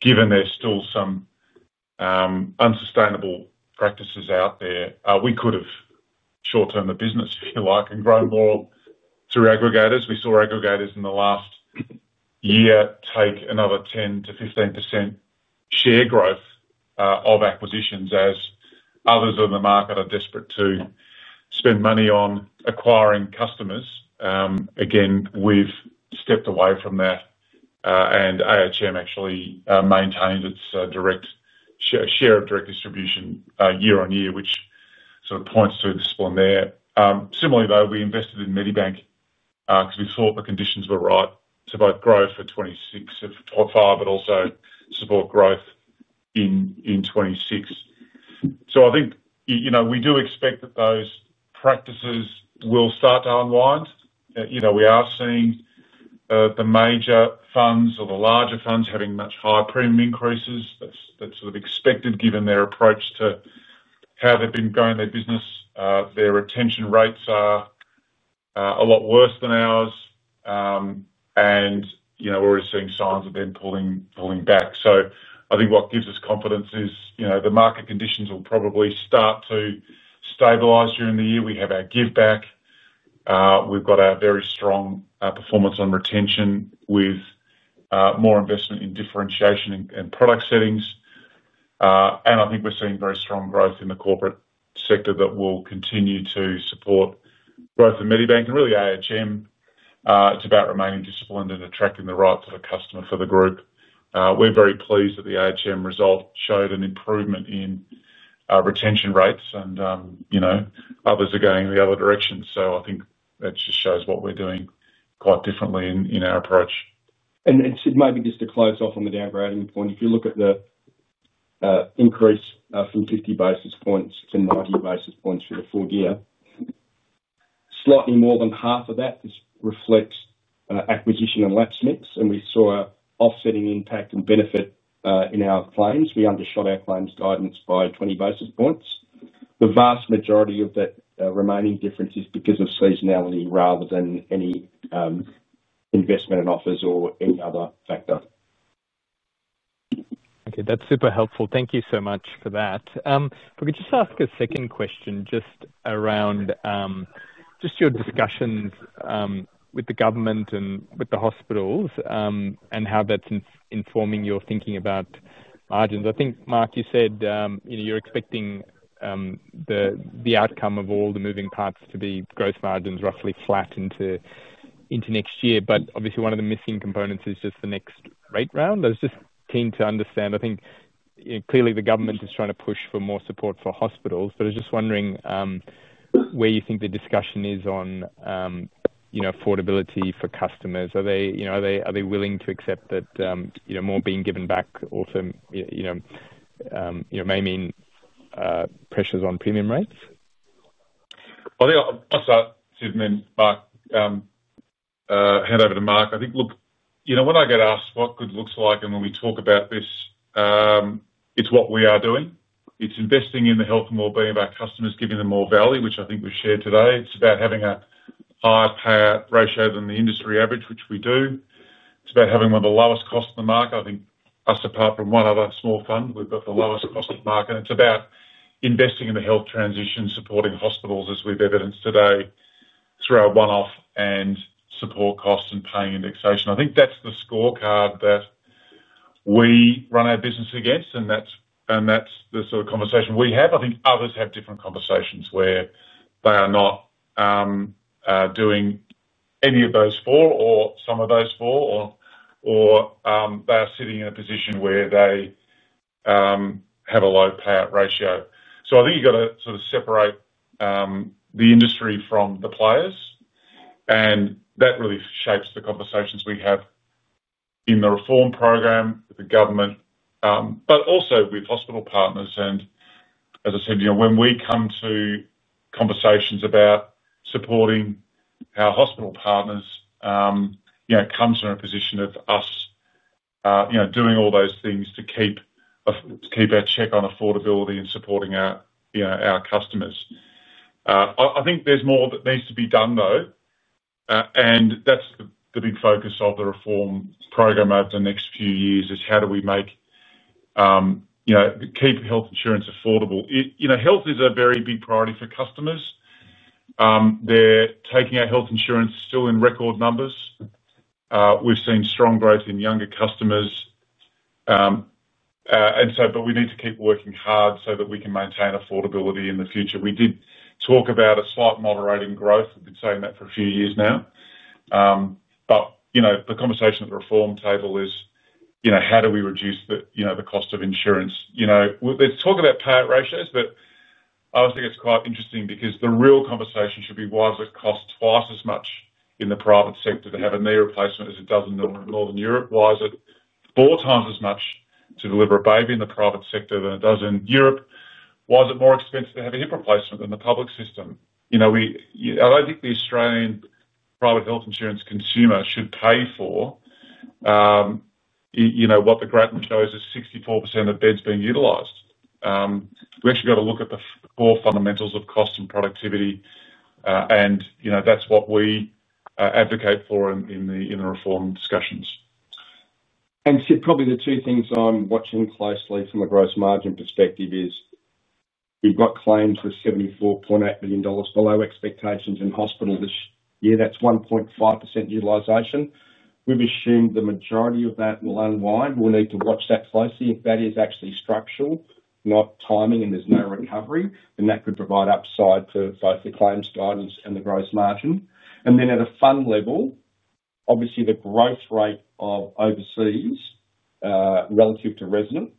Given there's still some unsustainable practices out there, we could have short-termed the business, if you like, and grow more through aggregators. We saw aggregators in the last year take another 10% to 15% share growth of acquisitions as others on the market are desperate to spend money on acquiring customers. Again, we've stepped away from that and ahm actually maintains its direct share of direct distribution year on year, which sort of points to the splendor. Similarly, we invested in Medibank because we thought the conditions were right. Both growth for 2026 but also support growth in 2026. I think we do expect that those practices will start to unwind. We are seeing the major funds or the larger funds having much higher premium increases. That's sort of expected given their approach to how they've been growing their business. Their retention rates are a lot worse than ours, and we're seeing signs of them pulling back. I think what gives us confidence is the market conditions will probably start to stabilize during the year. We have our give back. We've got a very strong performance on retention with more investment in differentiation and product settings. I think we're seeing very strong growth in the corporate sector that will continue to support growth in Medibank. Really, ahm, it's about remaining disciplined and attracting the right type of customer for the group. We're very pleased that the ahm result showed an improvement in retention rates and others are going the other direction. I think that just shows what we're doing quite differently in our approach. Sid, maybe just to close off on the downgrading point, if you look at the increase from 50 basis points to 90 basis points for the full year, slightly more than half of that reflects acquisition and lapse mix. We saw offsetting impact and benefit in our claims. We undershot our claims guidance by 20 basis points. The vast majority of that remaining difference is because of seasonality rather than any investment in offers or any other factor. Okay, that's super helpful, thank you so much for that. If we could just ask a second question around your discussions with the government and with the hospitals and how that's informing your thinking about margins. I think Mark, you said you're expecting the outcome of all the moving parts to be gross margins roughly flat into next year. Obviously, one of the missing components it's just the next rate round. I was just keen to understand. I think clearly the government is trying to push for more support for hospitals. I was just wondering where you think the discussion is on affordability for customers. Are they willing to accept that more being given back also may mean pressures on premium rates? I think I'll start, Sid, and then hand over to Mark. I think, look, you know, when I get asked what good looks like and when we talk about this, it's what we are doing, it's investing in the health and wellbeing of our customers, giving them more value, which I think we shared today. It's about having a higher payout ratio than the industry average, which we do. It's about having one of the lowest costs in the market. I think us, apart from one other small fund, we've got the lowest cost in the market. It's about investing in the health transition, supporting hospitals as we've evidenced today through our one-off and support costs and paying indexation. I think that's the scorecard that we run our business against and that's the sort of conversation we have. I think others have different conversations where they are not doing any of those four or some of those four or they are sitting in a position where they have a low payout ratio. You have to sort of separate the industry from the players. That really shapes the conversations we have in the reform program with the government, but also with hospital partners. As I said, you know, when we come to conversations about supporting our hospital partners, it comes from a position of us, you know, doing all those things to keep our check on affordability and supporting our customers. I think there's more that needs to be done though, and that's the big focus of the reform program over the next few years, is how do we make, you know, keep health insurance affordable. You know, health is a very big priority for customers. They're taking our health insurance still in record numbers. We've seen strong growth in younger customers, but we need to keep working hard so that we can maintain affordability in the future. We did talk about a slight moderating growth. We've been saying that for a few years now. The conversation at the reform table is, you know, how do we reduce the, you know, the cost of insurance, you know, let's talk about payout ratios. I think it's quite interesting because the real conversation should be why does it cost twice as much in the private sector to have a knee replacement as it does in northern Europe? Why is it four times as much to deliver a baby in the private sector than it does in Europe? Why is it more expensive to have a hip replacement than the public system? I don't think the Australian private health insurance consumer should pay for, you know, what the grant shows is 64% of beds being utilized. We actually have to look at the core fundamentals of cost and productivity and, you know, that's what we advocate for in the reform discussions. Sid, probably the two things I'm watching closely from a gross margin perspective is we've got claims for $74.8 million below expectations in hospital this year. That's 1.5% utilization. We've assumed the majority of that will unwind. We'll need to watch that closely. If that is actually structural, not timing, and there's no recovery, that could provide upside to both the claims guidance and the gross margin. At a funnel level, obviously the growth rate of overseas relative to resident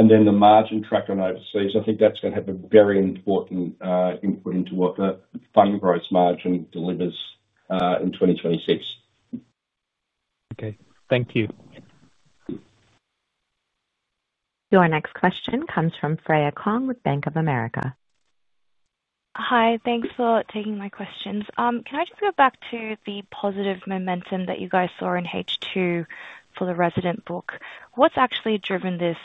and then the margin track on overseas, I think that's going to have a very important input into what the fund gross margin delivers in 2026. Okay, thank you. Your next question comes from Freya Kong with Bank of America. Hi, thanks for taking my questions. Can I just go back to the positive momentum that you guys saw in H2 for the resident book? What's actually driven this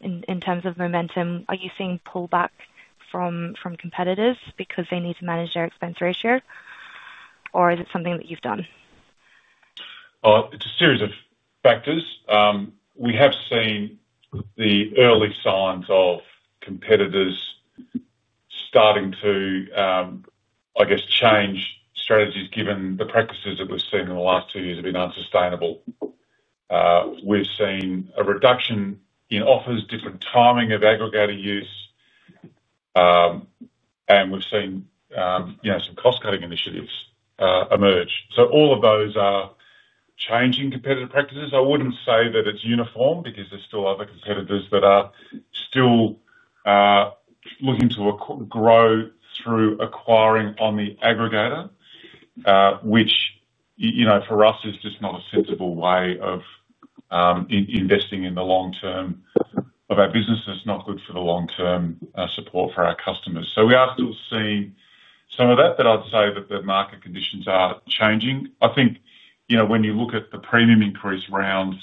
in terms of momentum? Are you seeing pullback from competitors because they need to manage their expense ratio, or is it something that you've done? It's a series of factors. We have seen the early signs of competitors starting to, I guess, change strategies. Given the practices that we've seen in the last two years have been unsustainable, we've seen a reduction in offers, different timing of aggregator use, and we've seen some cost cutting initiatives emerge. All of those are changing competitive practices. I wouldn't say that it's uniform because there are still other competitors that are still looking to grow through acquiring on the aggregator, which for us is just not a sensible way of investing in the long term of our business, is not good for the long term support for our customers. We are still seeing some of that. I'd say that the market conditions are changing. I think when you look at the premium increase round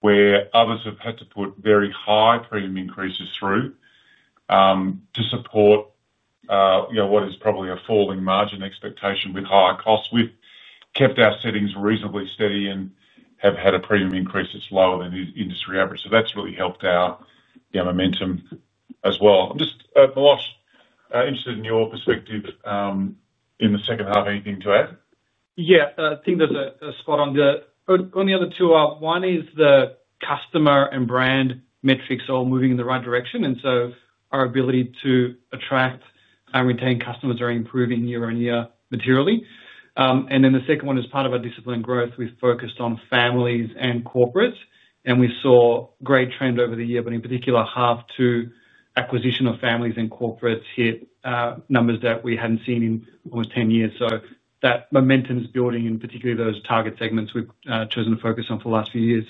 where others have had to put very high premium increases through to support what is probably a falling margin expectation with higher costs, we've kept our settings reasonably steady and have had a premium increase that's lower than the industry average. That's really helped our momentum as well. I'm just interested in your perspective in the second half. Anything to add? Yeah, I think that's spot on. The only other two are, one is the customer and brand metrics are all moving in the right direction, and so our ability to attract and retain customers is improving year on year materially. The second one is, as part of our disciplined growth, we focused on families and corporates, and we saw great trend over the year. In particular, half two acquisition of families and corporates hit numbers that we hadn't seen in almost 10 years. That momentum is building in particularly those target segments we've chosen to focus on for the last few years.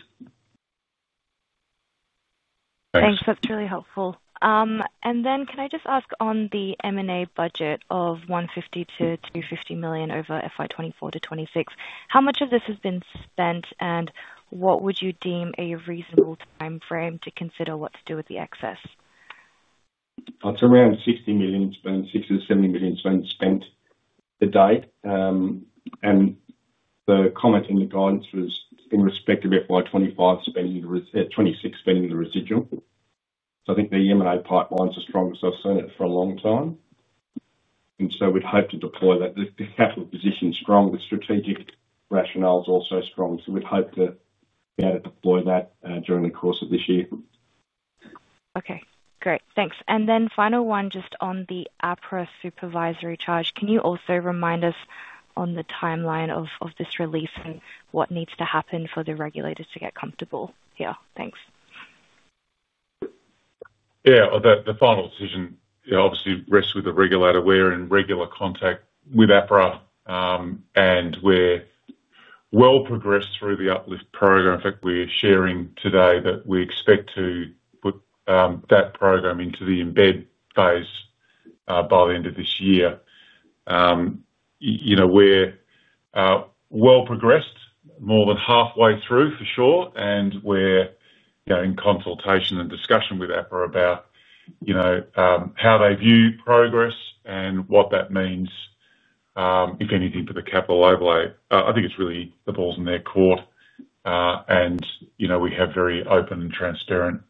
Thanks, that's really helpful. Can I just ask, on the M&A budget of $150 million-$250 million over FY 2024 to 2024, how much of this has been spent and what would you deem a reasonable time frame to consider what to do with the excess? That's around $60 million, $60 million-$70 million spent. The date and the comment on the guidance was in respect of FY 2025 spending, 2026 spending the residual. I think the M&A pipeline is the strongest I've seen it for a long time, and we'd hope to deploy that. The capital position is strong. The strategic rationale is also strong. We'd hope to be able to deploy that during the course of this year. Okay, great, thanks. The final one, just on the APRA supervisory charge, can you also remind us on the timeline of this release and what needs to happen for the regulators to get comfortable here? Thanks. Yeah. The final decision obviously rests with the regulator. We're in regular contact with APRA and we're well progressed through the uplift program. In fact, we're sharing today that we expect to put that program into the embed phase by the end of this year. We're well progressed, more than halfway through for sure, and we're in consultation and discussion with APRA about how they view progress and what that means, if anything, for the capital overlay. I think the ball's in their court and we have very open and transparent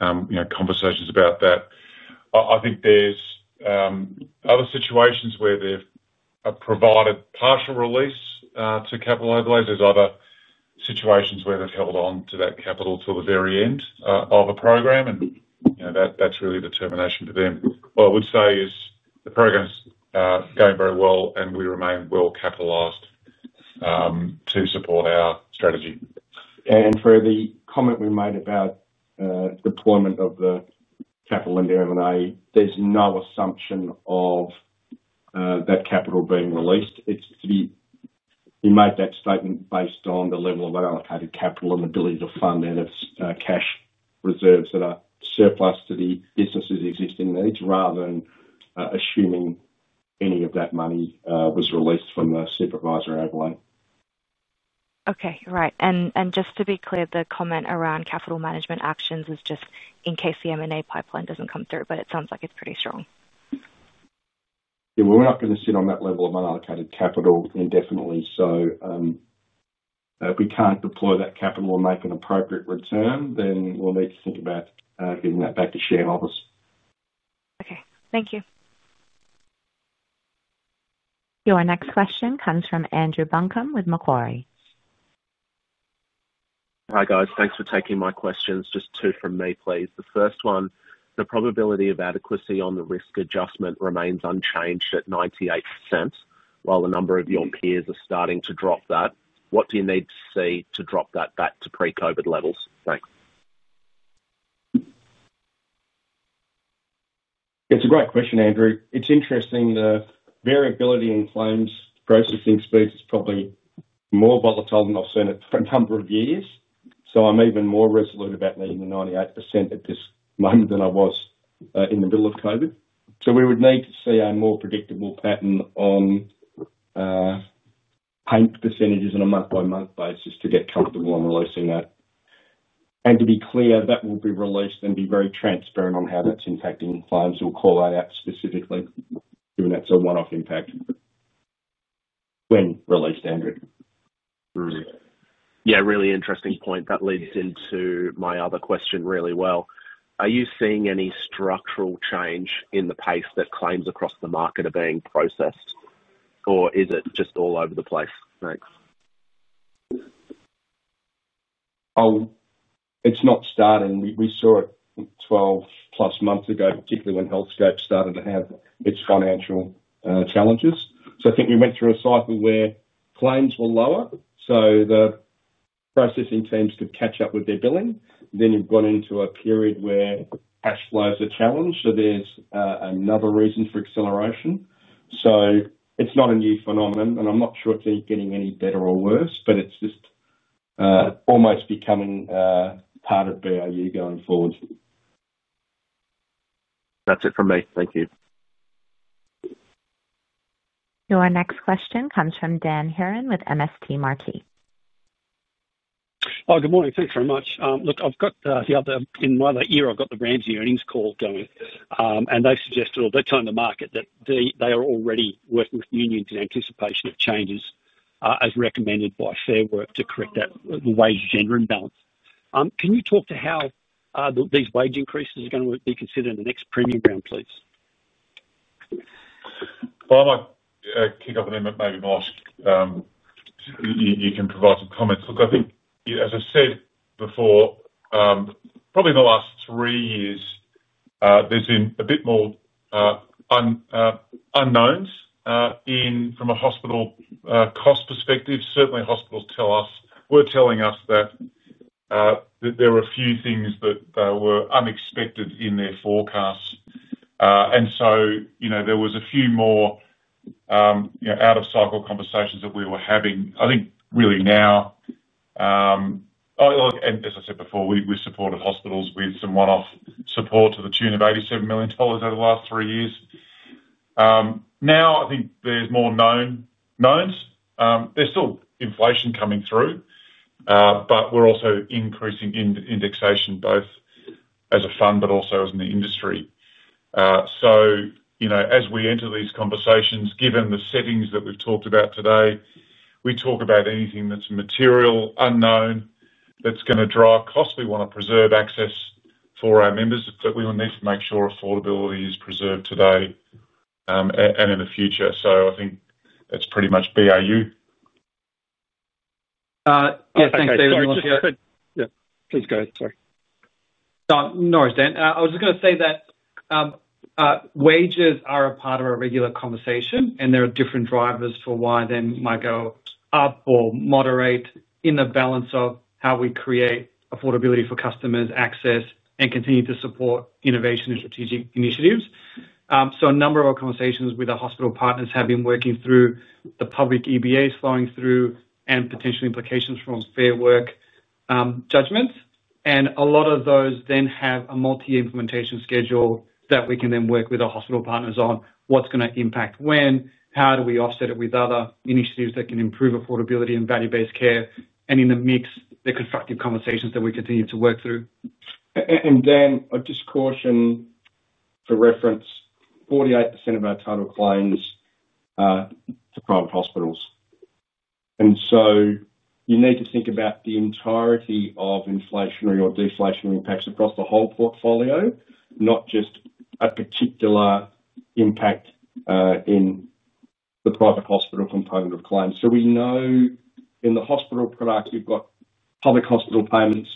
conversations about that. I think there are other situations where they've provided partial release to capital. I believe there are other situations where they've held on to that capital till the very end of a program and that's really a determination for them. What I would say is the program's going very well and we remain well capitalized to support our strategy. For the comment we made about deployment of the capital in the M&A, there's no assumption of that capital being released. He made that statement based on the level of unallocated capital and ability to fund out of cash reserves that are surplus to the business's existing needs, rather than assuming any of that money was released from the supervisor overlay. Okay, Right. Just to be clear, the comment around capital management actions is just in case the M&A pipeline doesn't come through, but it sounds like it's pretty strong. Yeah, we're not going to sit on that level of unallocated capital indefinitely. If we can't deploy that capital and make an appropriate return, then we'll need to think about giving that back to shareholders. Okay, thank you. Your next question comes from Andrew Buncombe with Macquarie. Hi guys. Thanks for taking my questions. Just two from me please. The first one, the probability of adequacy on the risk adjustment remains unchanged at 98%. While a number of your peers are starting to drop that. What do you need to see to drop that back to pre-COVID levels? Thanks. It's a great question, Andrew. It's interesting. The variability in claims processing speeds is probably more volatile than I've seen in a number of years. I'm even more resolute about meeting the 98% at this moment than I was in the middle of COVID. We would need to see a more predictable pattern on paid percentages on a month-by-month basis to get comfortable on releasing that, and to be clear, that will be released and be very transparent on how that's impacting funds. We'll call that out specifically, given that's a one-off impact when released, Andrew. Really interesting point. That leads into my other question. Are you seeing any structural change in the pace that claims across the market are being processed, or is it just all over the place? Thanks. Oh, it's not starting. We saw it 12+ months ago, particularly when Healthscope started to have its financial challenges. So I think we went through a cycle where claims were lower allowed the processing teams to catch up with their billing. You have gone into a period where cash flows are challenged, which is another reason for acceleration. It is not a new phenomenon, and I am not sure it is getting any better or worse, but it is almost becoming part of BIU going forward. That is it for me. Thank you. Your next question comes from Dan Hurren with MST Marquee Good morning, thanks very much. I've got the other in my ear. I've got the Ramsay earnings call going and they're suggesting or they're telling the market that they are already working with unions in anticipation of changes as recommended by Sharework to create the wage gender imbalance. Can you talk to how these wage increases are going to be considered in. The next premium round, please? By my kick off and then maybe Milosh, you can provide some comments. Look, I think as I said before, probably in the last three years there's been a bit more unknowns from a hospital cost perspective. Certainly hospitals tell us, were telling us that there were a few things that were unexpected in their forecasts. There was a few more out of cycle conversations that we were having. I think really now, as I said before, we supported hospitals with some one-off support to the tune of $87 million over the last three years. Now I think there's more knowns. There's still inflation coming through, but we're also increasing indexation both as a fund but also as an industry. As we enter these conversations, given the settings that we've talked about today, we talk about anything that's material unknown that's going to drive cost. We want to preserve access for our members, but we need to make sure affordability is preserved today and in the future. I think that's pretty much BAU. Yeah, thanks David. Yeah, please go ahead. Sorry, no worries. Dan. I was just going to say that wages are a part of a regular conversation, and there are different drivers for why they might go up or moderate in the balance of how we create affordability for customers, access, and continue to support innovation and strategic initiatives. A number of our conversations with our hospital partners have been working through the public EBAs flowing through and potential implications from Fair Work judgments. A lot of those then have a multi-year implementation schedule that we can then work with our hospital partners on what's going to impact when, how do we offset it with other initiatives that can improve affordability and value-based care, and in the mix, the constructive conversations that we continue to work through. Dan, I just caution for reference 48% of our total claims to private hospitals. You need to think about the entirety of inflationary or deflationary impacts across the whole portfolio, not just a particular impact in the private hospital component of claims. We know in the hospital products you've got public hospital payments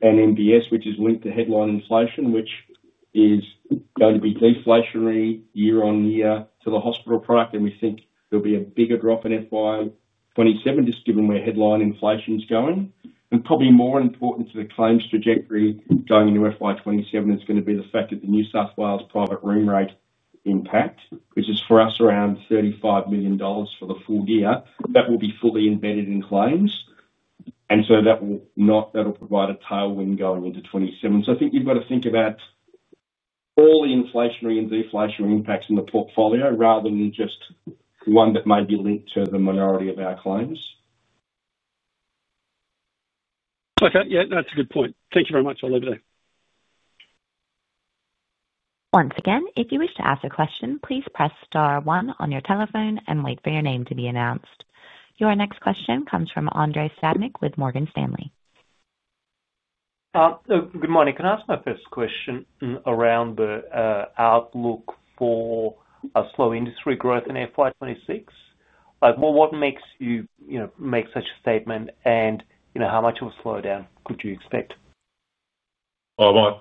and MBS, which is linked to headline inflation, which is going to be deflationary year on year to the hospital product. We think there'll be a bigger drop in FY 2027 just given where headline inflation's going. Probably more important to the claims trajectory going into FY 2027 is going to be the fact that the New South Wales private room rate impact, which is for us, around $35 million for the full year, that will be fully embedded in claims. That'll provide a tailwind going into 2027. I think you've got to think about all the inflationary and deflationary impacts in the portfolio rather than just one that may be linked to the minority of our claims. Okay, yeah, that's a good point. Thank you very much. I'll leave it there. Once again, if you wish to ask a question, please press Star, one on your telephone and wait for your name to be announced. Your next question comes from Andrei Stadnik with Morgan Stanley. Good morning. Can I ask my first question around the outlook for a slow industry growth in FY 2026? What makes you make such a statement, and how much of a Slowdown could you expect? I might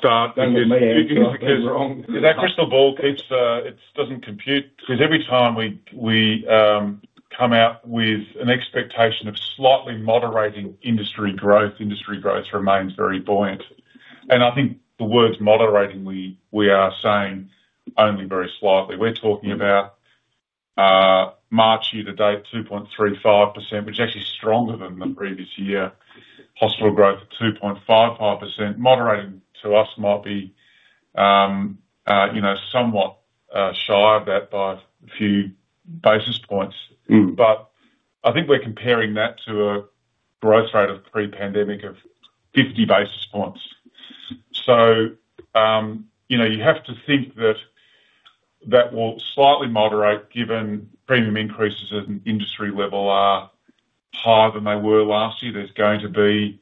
start wrong. That crystal ball keeps. It doesn't compute because every time we come out with an expectation of slightly moderating industry growth, industry growth remains very buoyant, and I think the words moderating, we are saying only very slightly. We're talking about March year to date 2.35%, which is actually stronger than the previous year. Hospital growth 2.55%. Moderating to us might be, you know, somewhat shy of that by a few basis points, but I think we're comparing that to a growth rate of pre-pandemic of 50 basis points. You have to think that that will slightly moderate given premium increases at an industry level are higher than they were last year. There's going to be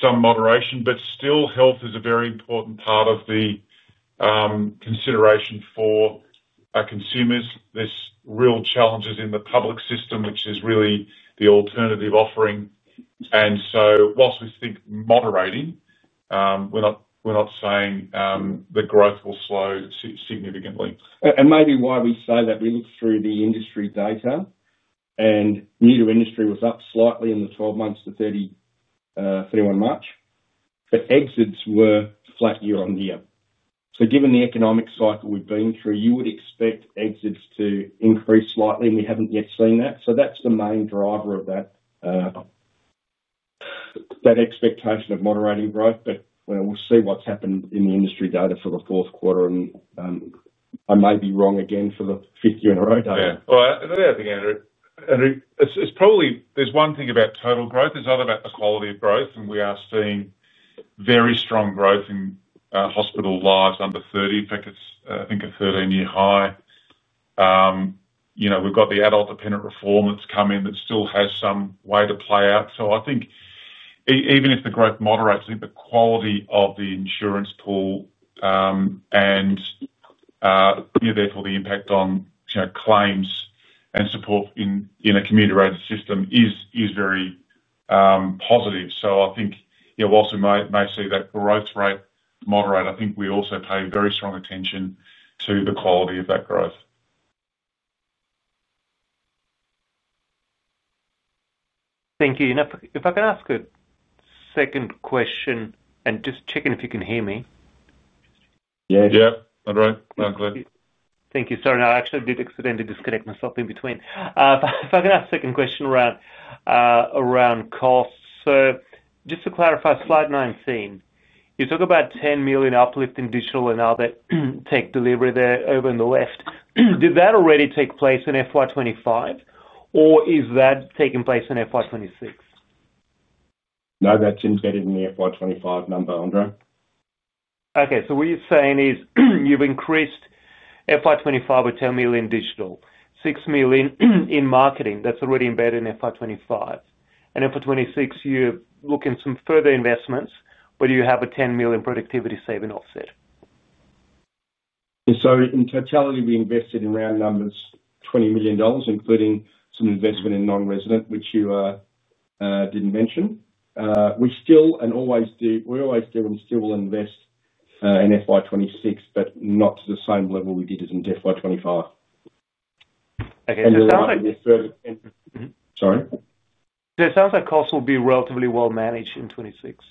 some moderation, but still health is a very important part of the consideration for consumers. There's real challenges in the public system, which is really the alternative offering. Whilst we think moderating, we're not saying the growth will slow significantly. We say that we look through the industry data and new to industry was up slightly in the 12 months to March 31, but exits were flat year on year. Given the economic cycle we've been through, you would expect exits to increase slightly and we haven't yet seen that. That is the main driver of that expectation of moderating growth. We'll see what's happened in the industry data for the fourth quarter and I may be wrong again for the fifth year in a row. It's probably there's one thing about total growth, it's not about the quality of growth. We are seeing very strong growth in hospital lives, number 30 packets. I think a 13-year high. We've got the adult dependent reform that's coming that still has some way to play out. I think even if the growth moderates, the quality of the insurance pool and therefore the impact on claims and support in a community rated system is very positive. I think whilst we may see that growth rate moderate, we also pay very strong attention to the quality of that growth. Thank you. If I can ask a second question, and just check in if you can hear me. Yes, Andrei, I'm clear. Thank you. Sorry, I actually did accidentally disconnect myself in between. If I can ask a second question around costs. Just to clarify, Slide 19, you talk about $10 million uplift in digital and other tech delivery there over on the left, did that already take place in FY 2025 or is that taking place in FY 2026? No, that's embedded in the FY 2025 number, Andrei Okay, so what you're saying is you've increased FY 2025 with $10 million digital, $6 million in marketing. That's already embedded in FY 2025, and FY 2026 you look in some further investments, but you have a $10 million productivity saving offset. In totality, we invested in round numbers, $20 million, including some investment in non-resident, which you didn't mention. We always do and still will invest in FY 2026, but not to the same level we did it in FY 2025. Sorry, it sounds like costs will be relatively well managed in 2026?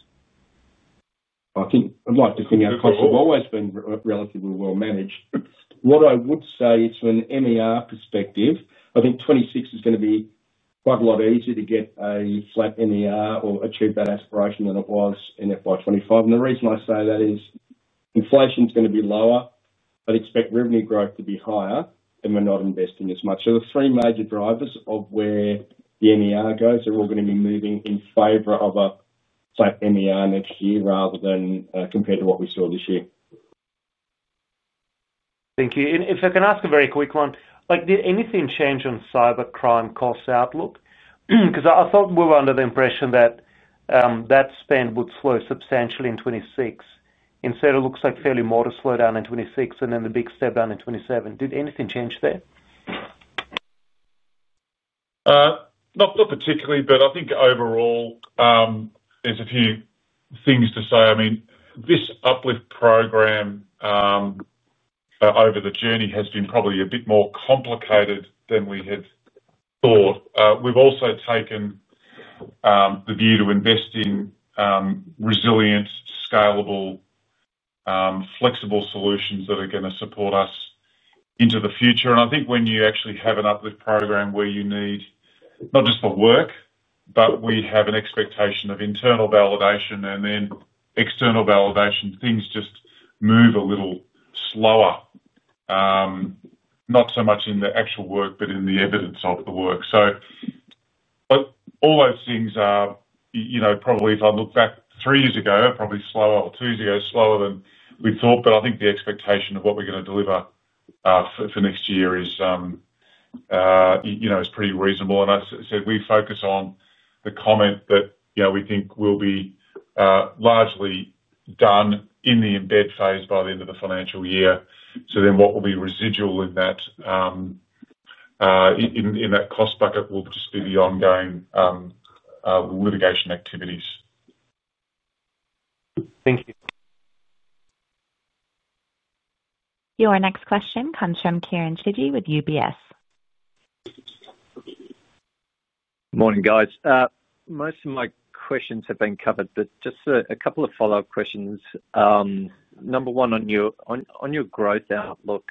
I think I'd like to think that costs have always been relatively well managed. What I would say is from an MER perspective, I think 2026 is going to be quite a lot easier to get a flat MER or achieve that aspiration than it was in FY 2025. The reason I say that is inflation's going to be lower, but expect revenue growth to be higher and we're not investing as much. The three major drivers of where the MER goes are all going to be moving in favor of a flat MER next year rather than compared to what we saw this year. Thank you. If I can ask a very quick one. Did anything change on cybercrime costs outlook? Because I thought we were under the impression that that spend would slow substantially in 2026. Instead, it looks like fairly modest slowdown in 2026 and then the big step down in 2027. Did anything change there? Not particularly, but I think overall there's a few things to say. I mean this uplift program over the journey has been probably a bit more complicated than we had or we've also taken the view to invest in resilient, scalable, flexible solutions that are going to support us into the future. I think when you actually have an uplift program where you need not just for work, but we have an expectation of internal validation and then external validation, things just move a little slower. Not so much in the actual work, but in the evidence of the work. All those things are, you know, probably, if I look back three years ago, probably slower or two years ago, slower than we thought. I think the expectation of what we're going to deliver for next year is, you know, it's pretty reasonable. I said we focus on the comment that we think will be largely done in the embed phase by the end of the financial year. What will be residual in that, in that cost bucket will just be the ongoing litigation activities. Thank you. Your next question comes from Kieren Chidgey with UBS. Good morning guys. Most of my questions have been covered, but just a couple of follow up questions. Number one, on your growth outlook,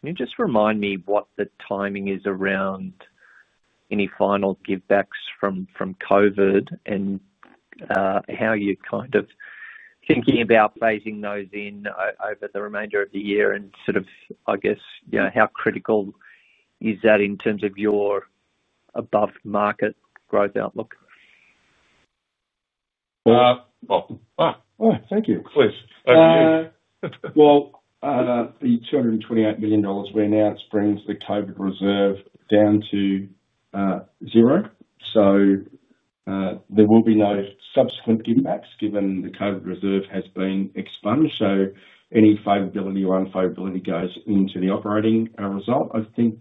can you just remind me what the timing is around any final givebacks from COVID, and how you kind of thinking about phasing those in over the remainder of the year, and how critical is that in terms of your above market growth outlook. Thank you, please. The $228 million now brings the COVID reserve down to zero. There will be no subsequent impacts given the COVID reserve has been expunged. Any favorability or unfavorability goes into the operating result. I think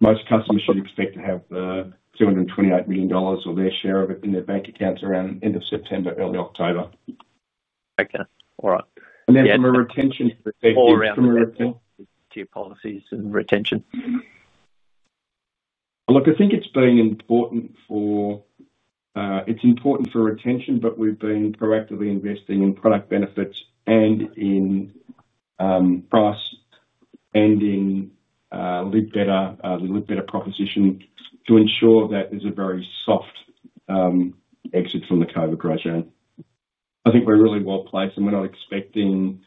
most customers should expect to have $228 million or their share of it in their bank accounts around end of September, early October. Okay, all right. And then from a retention perspective or around customer retention? To your policies and retention. I think it's important for retention, but we've been proactively investing in product benefits and in price and in better proposition to ensure that there's a very soft exit from the COVID ratio. I think we're really well placed, and we're not expecting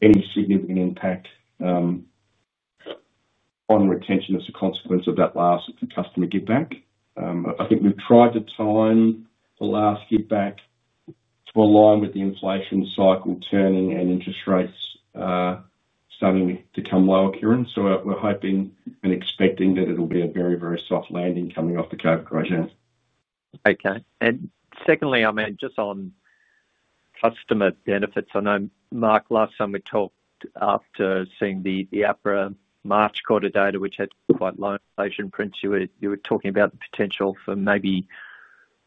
any significant impact on retention as a consequence of that last customer give back. I think we've tried to time the last give back line with the inflation cycle turning and interest rates starting to come lower, Kieran. We're hoping and expecting that it'll be a very, very soft landing coming off the COVID regime. Okay. Secondly, just on customer benefits. I know Mark, last time we talked after seeing the APRA March quarter data, which had quite low inflation prints, you were talking about the potential for maybe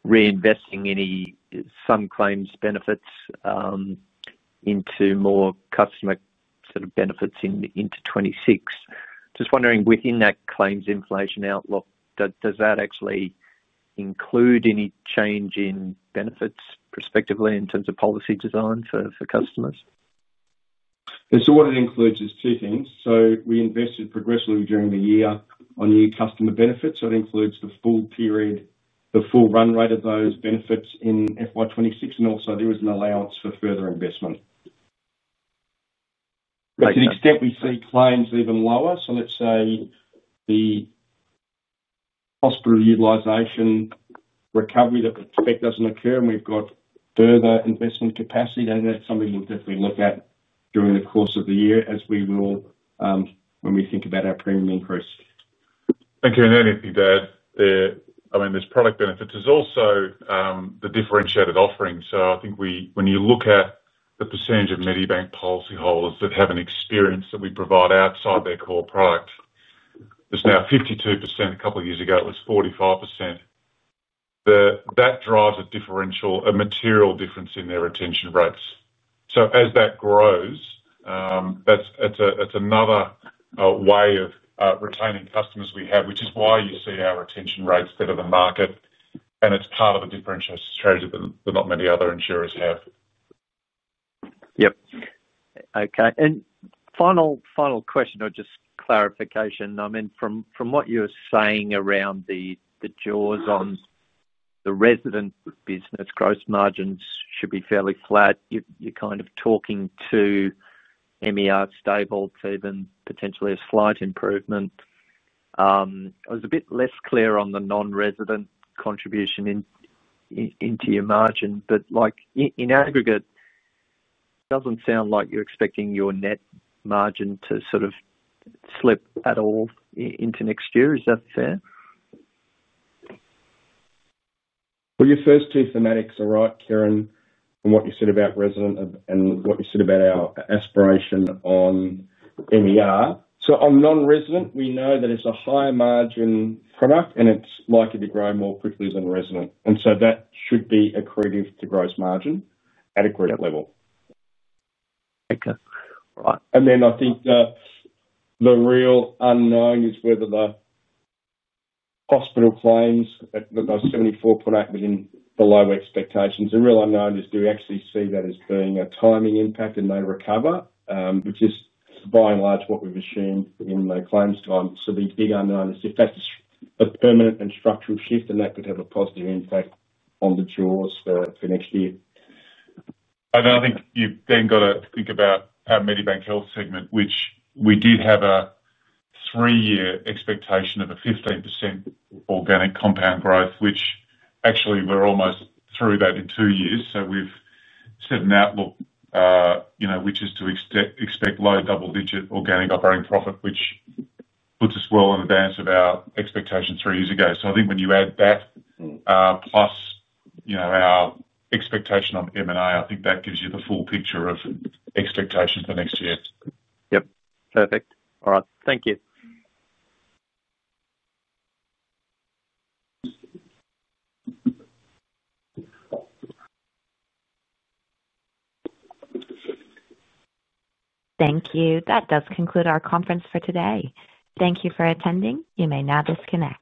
reinvesting any claims benefits into more customer benefits into 2026. Just wondering within that claims inflation outlook, does that actually include any change in benefits prospectively in terms of policy design for customers? What it includes is two things. We invested progressively during the year on new customer benefits. It includes the full period, the full run rate of those benefits in FY 2026. There is also an allowance for further investment to the extent we see claims even lower. Let's say the hospital utilisation recovery effect doesn't occur and we've got further investment capacity. That's something that we look at during the course of the year as we will when we think about our premium increase. Thank you. And anything to a dd, I mean, there are product benefits, there's also the differentiated offering. I think when you look at the percentage of Medibank policyholders that have an experience that we provide outside their core product, it is now 52%. A couple of years ago it was 45%. That drives a differential, a material difference in their retention rates. As that grows, it's another way of retaining customers we have, which is why you see our retention rates that are the market and it's part of a differential strategy that not many other insurers have. Yep. Okay. Final question or just clarification? I mean, from what you're saying around the jaws on the resident business, gross margins should be fairly flat. You're kind of talking to MER stable, even potentially a slight improvement. I was a bit less clear on the non-resident contribution into your margin, but in aggregate, doesn't sound like you're expecting your net margin to sort. Is that fair? Well, your first two thematics are right, Kieran, on what you said about resident and what you said about our aspiration on management expense ratio. On non-resident, we know that it's a higher margin product and it's likely to grow more quickly than resident, and that should be accretive to gross margin at a group level. Okay, Right. I think the real unknown is whether the hospital claims at both 74.8 within below expectations. The real unknown is do we actually see that as being a timing impact and later recover, which is by and large what we've assumed in the claims time. The big unknown is if that's a permanent and structural shift and that could have a positive impact on the jaws for next year. I think you've then got to think about our Medibank Health segment, which we did have a three-year expectation of a 15% organic compound growth, which actually we're almost through that in two years. We've set an outlook which is to expect low double-digit organic operating profit, which puts us well in advance of our expectations three years ago. I think when you add that plus, you know, our expectation on M&A, I think that gives you the full picture of expectations for next year. Yep, perfect. All right, thank you. Thank you. That does conclude our conference for today. Thank you for attending. You may now disconnect.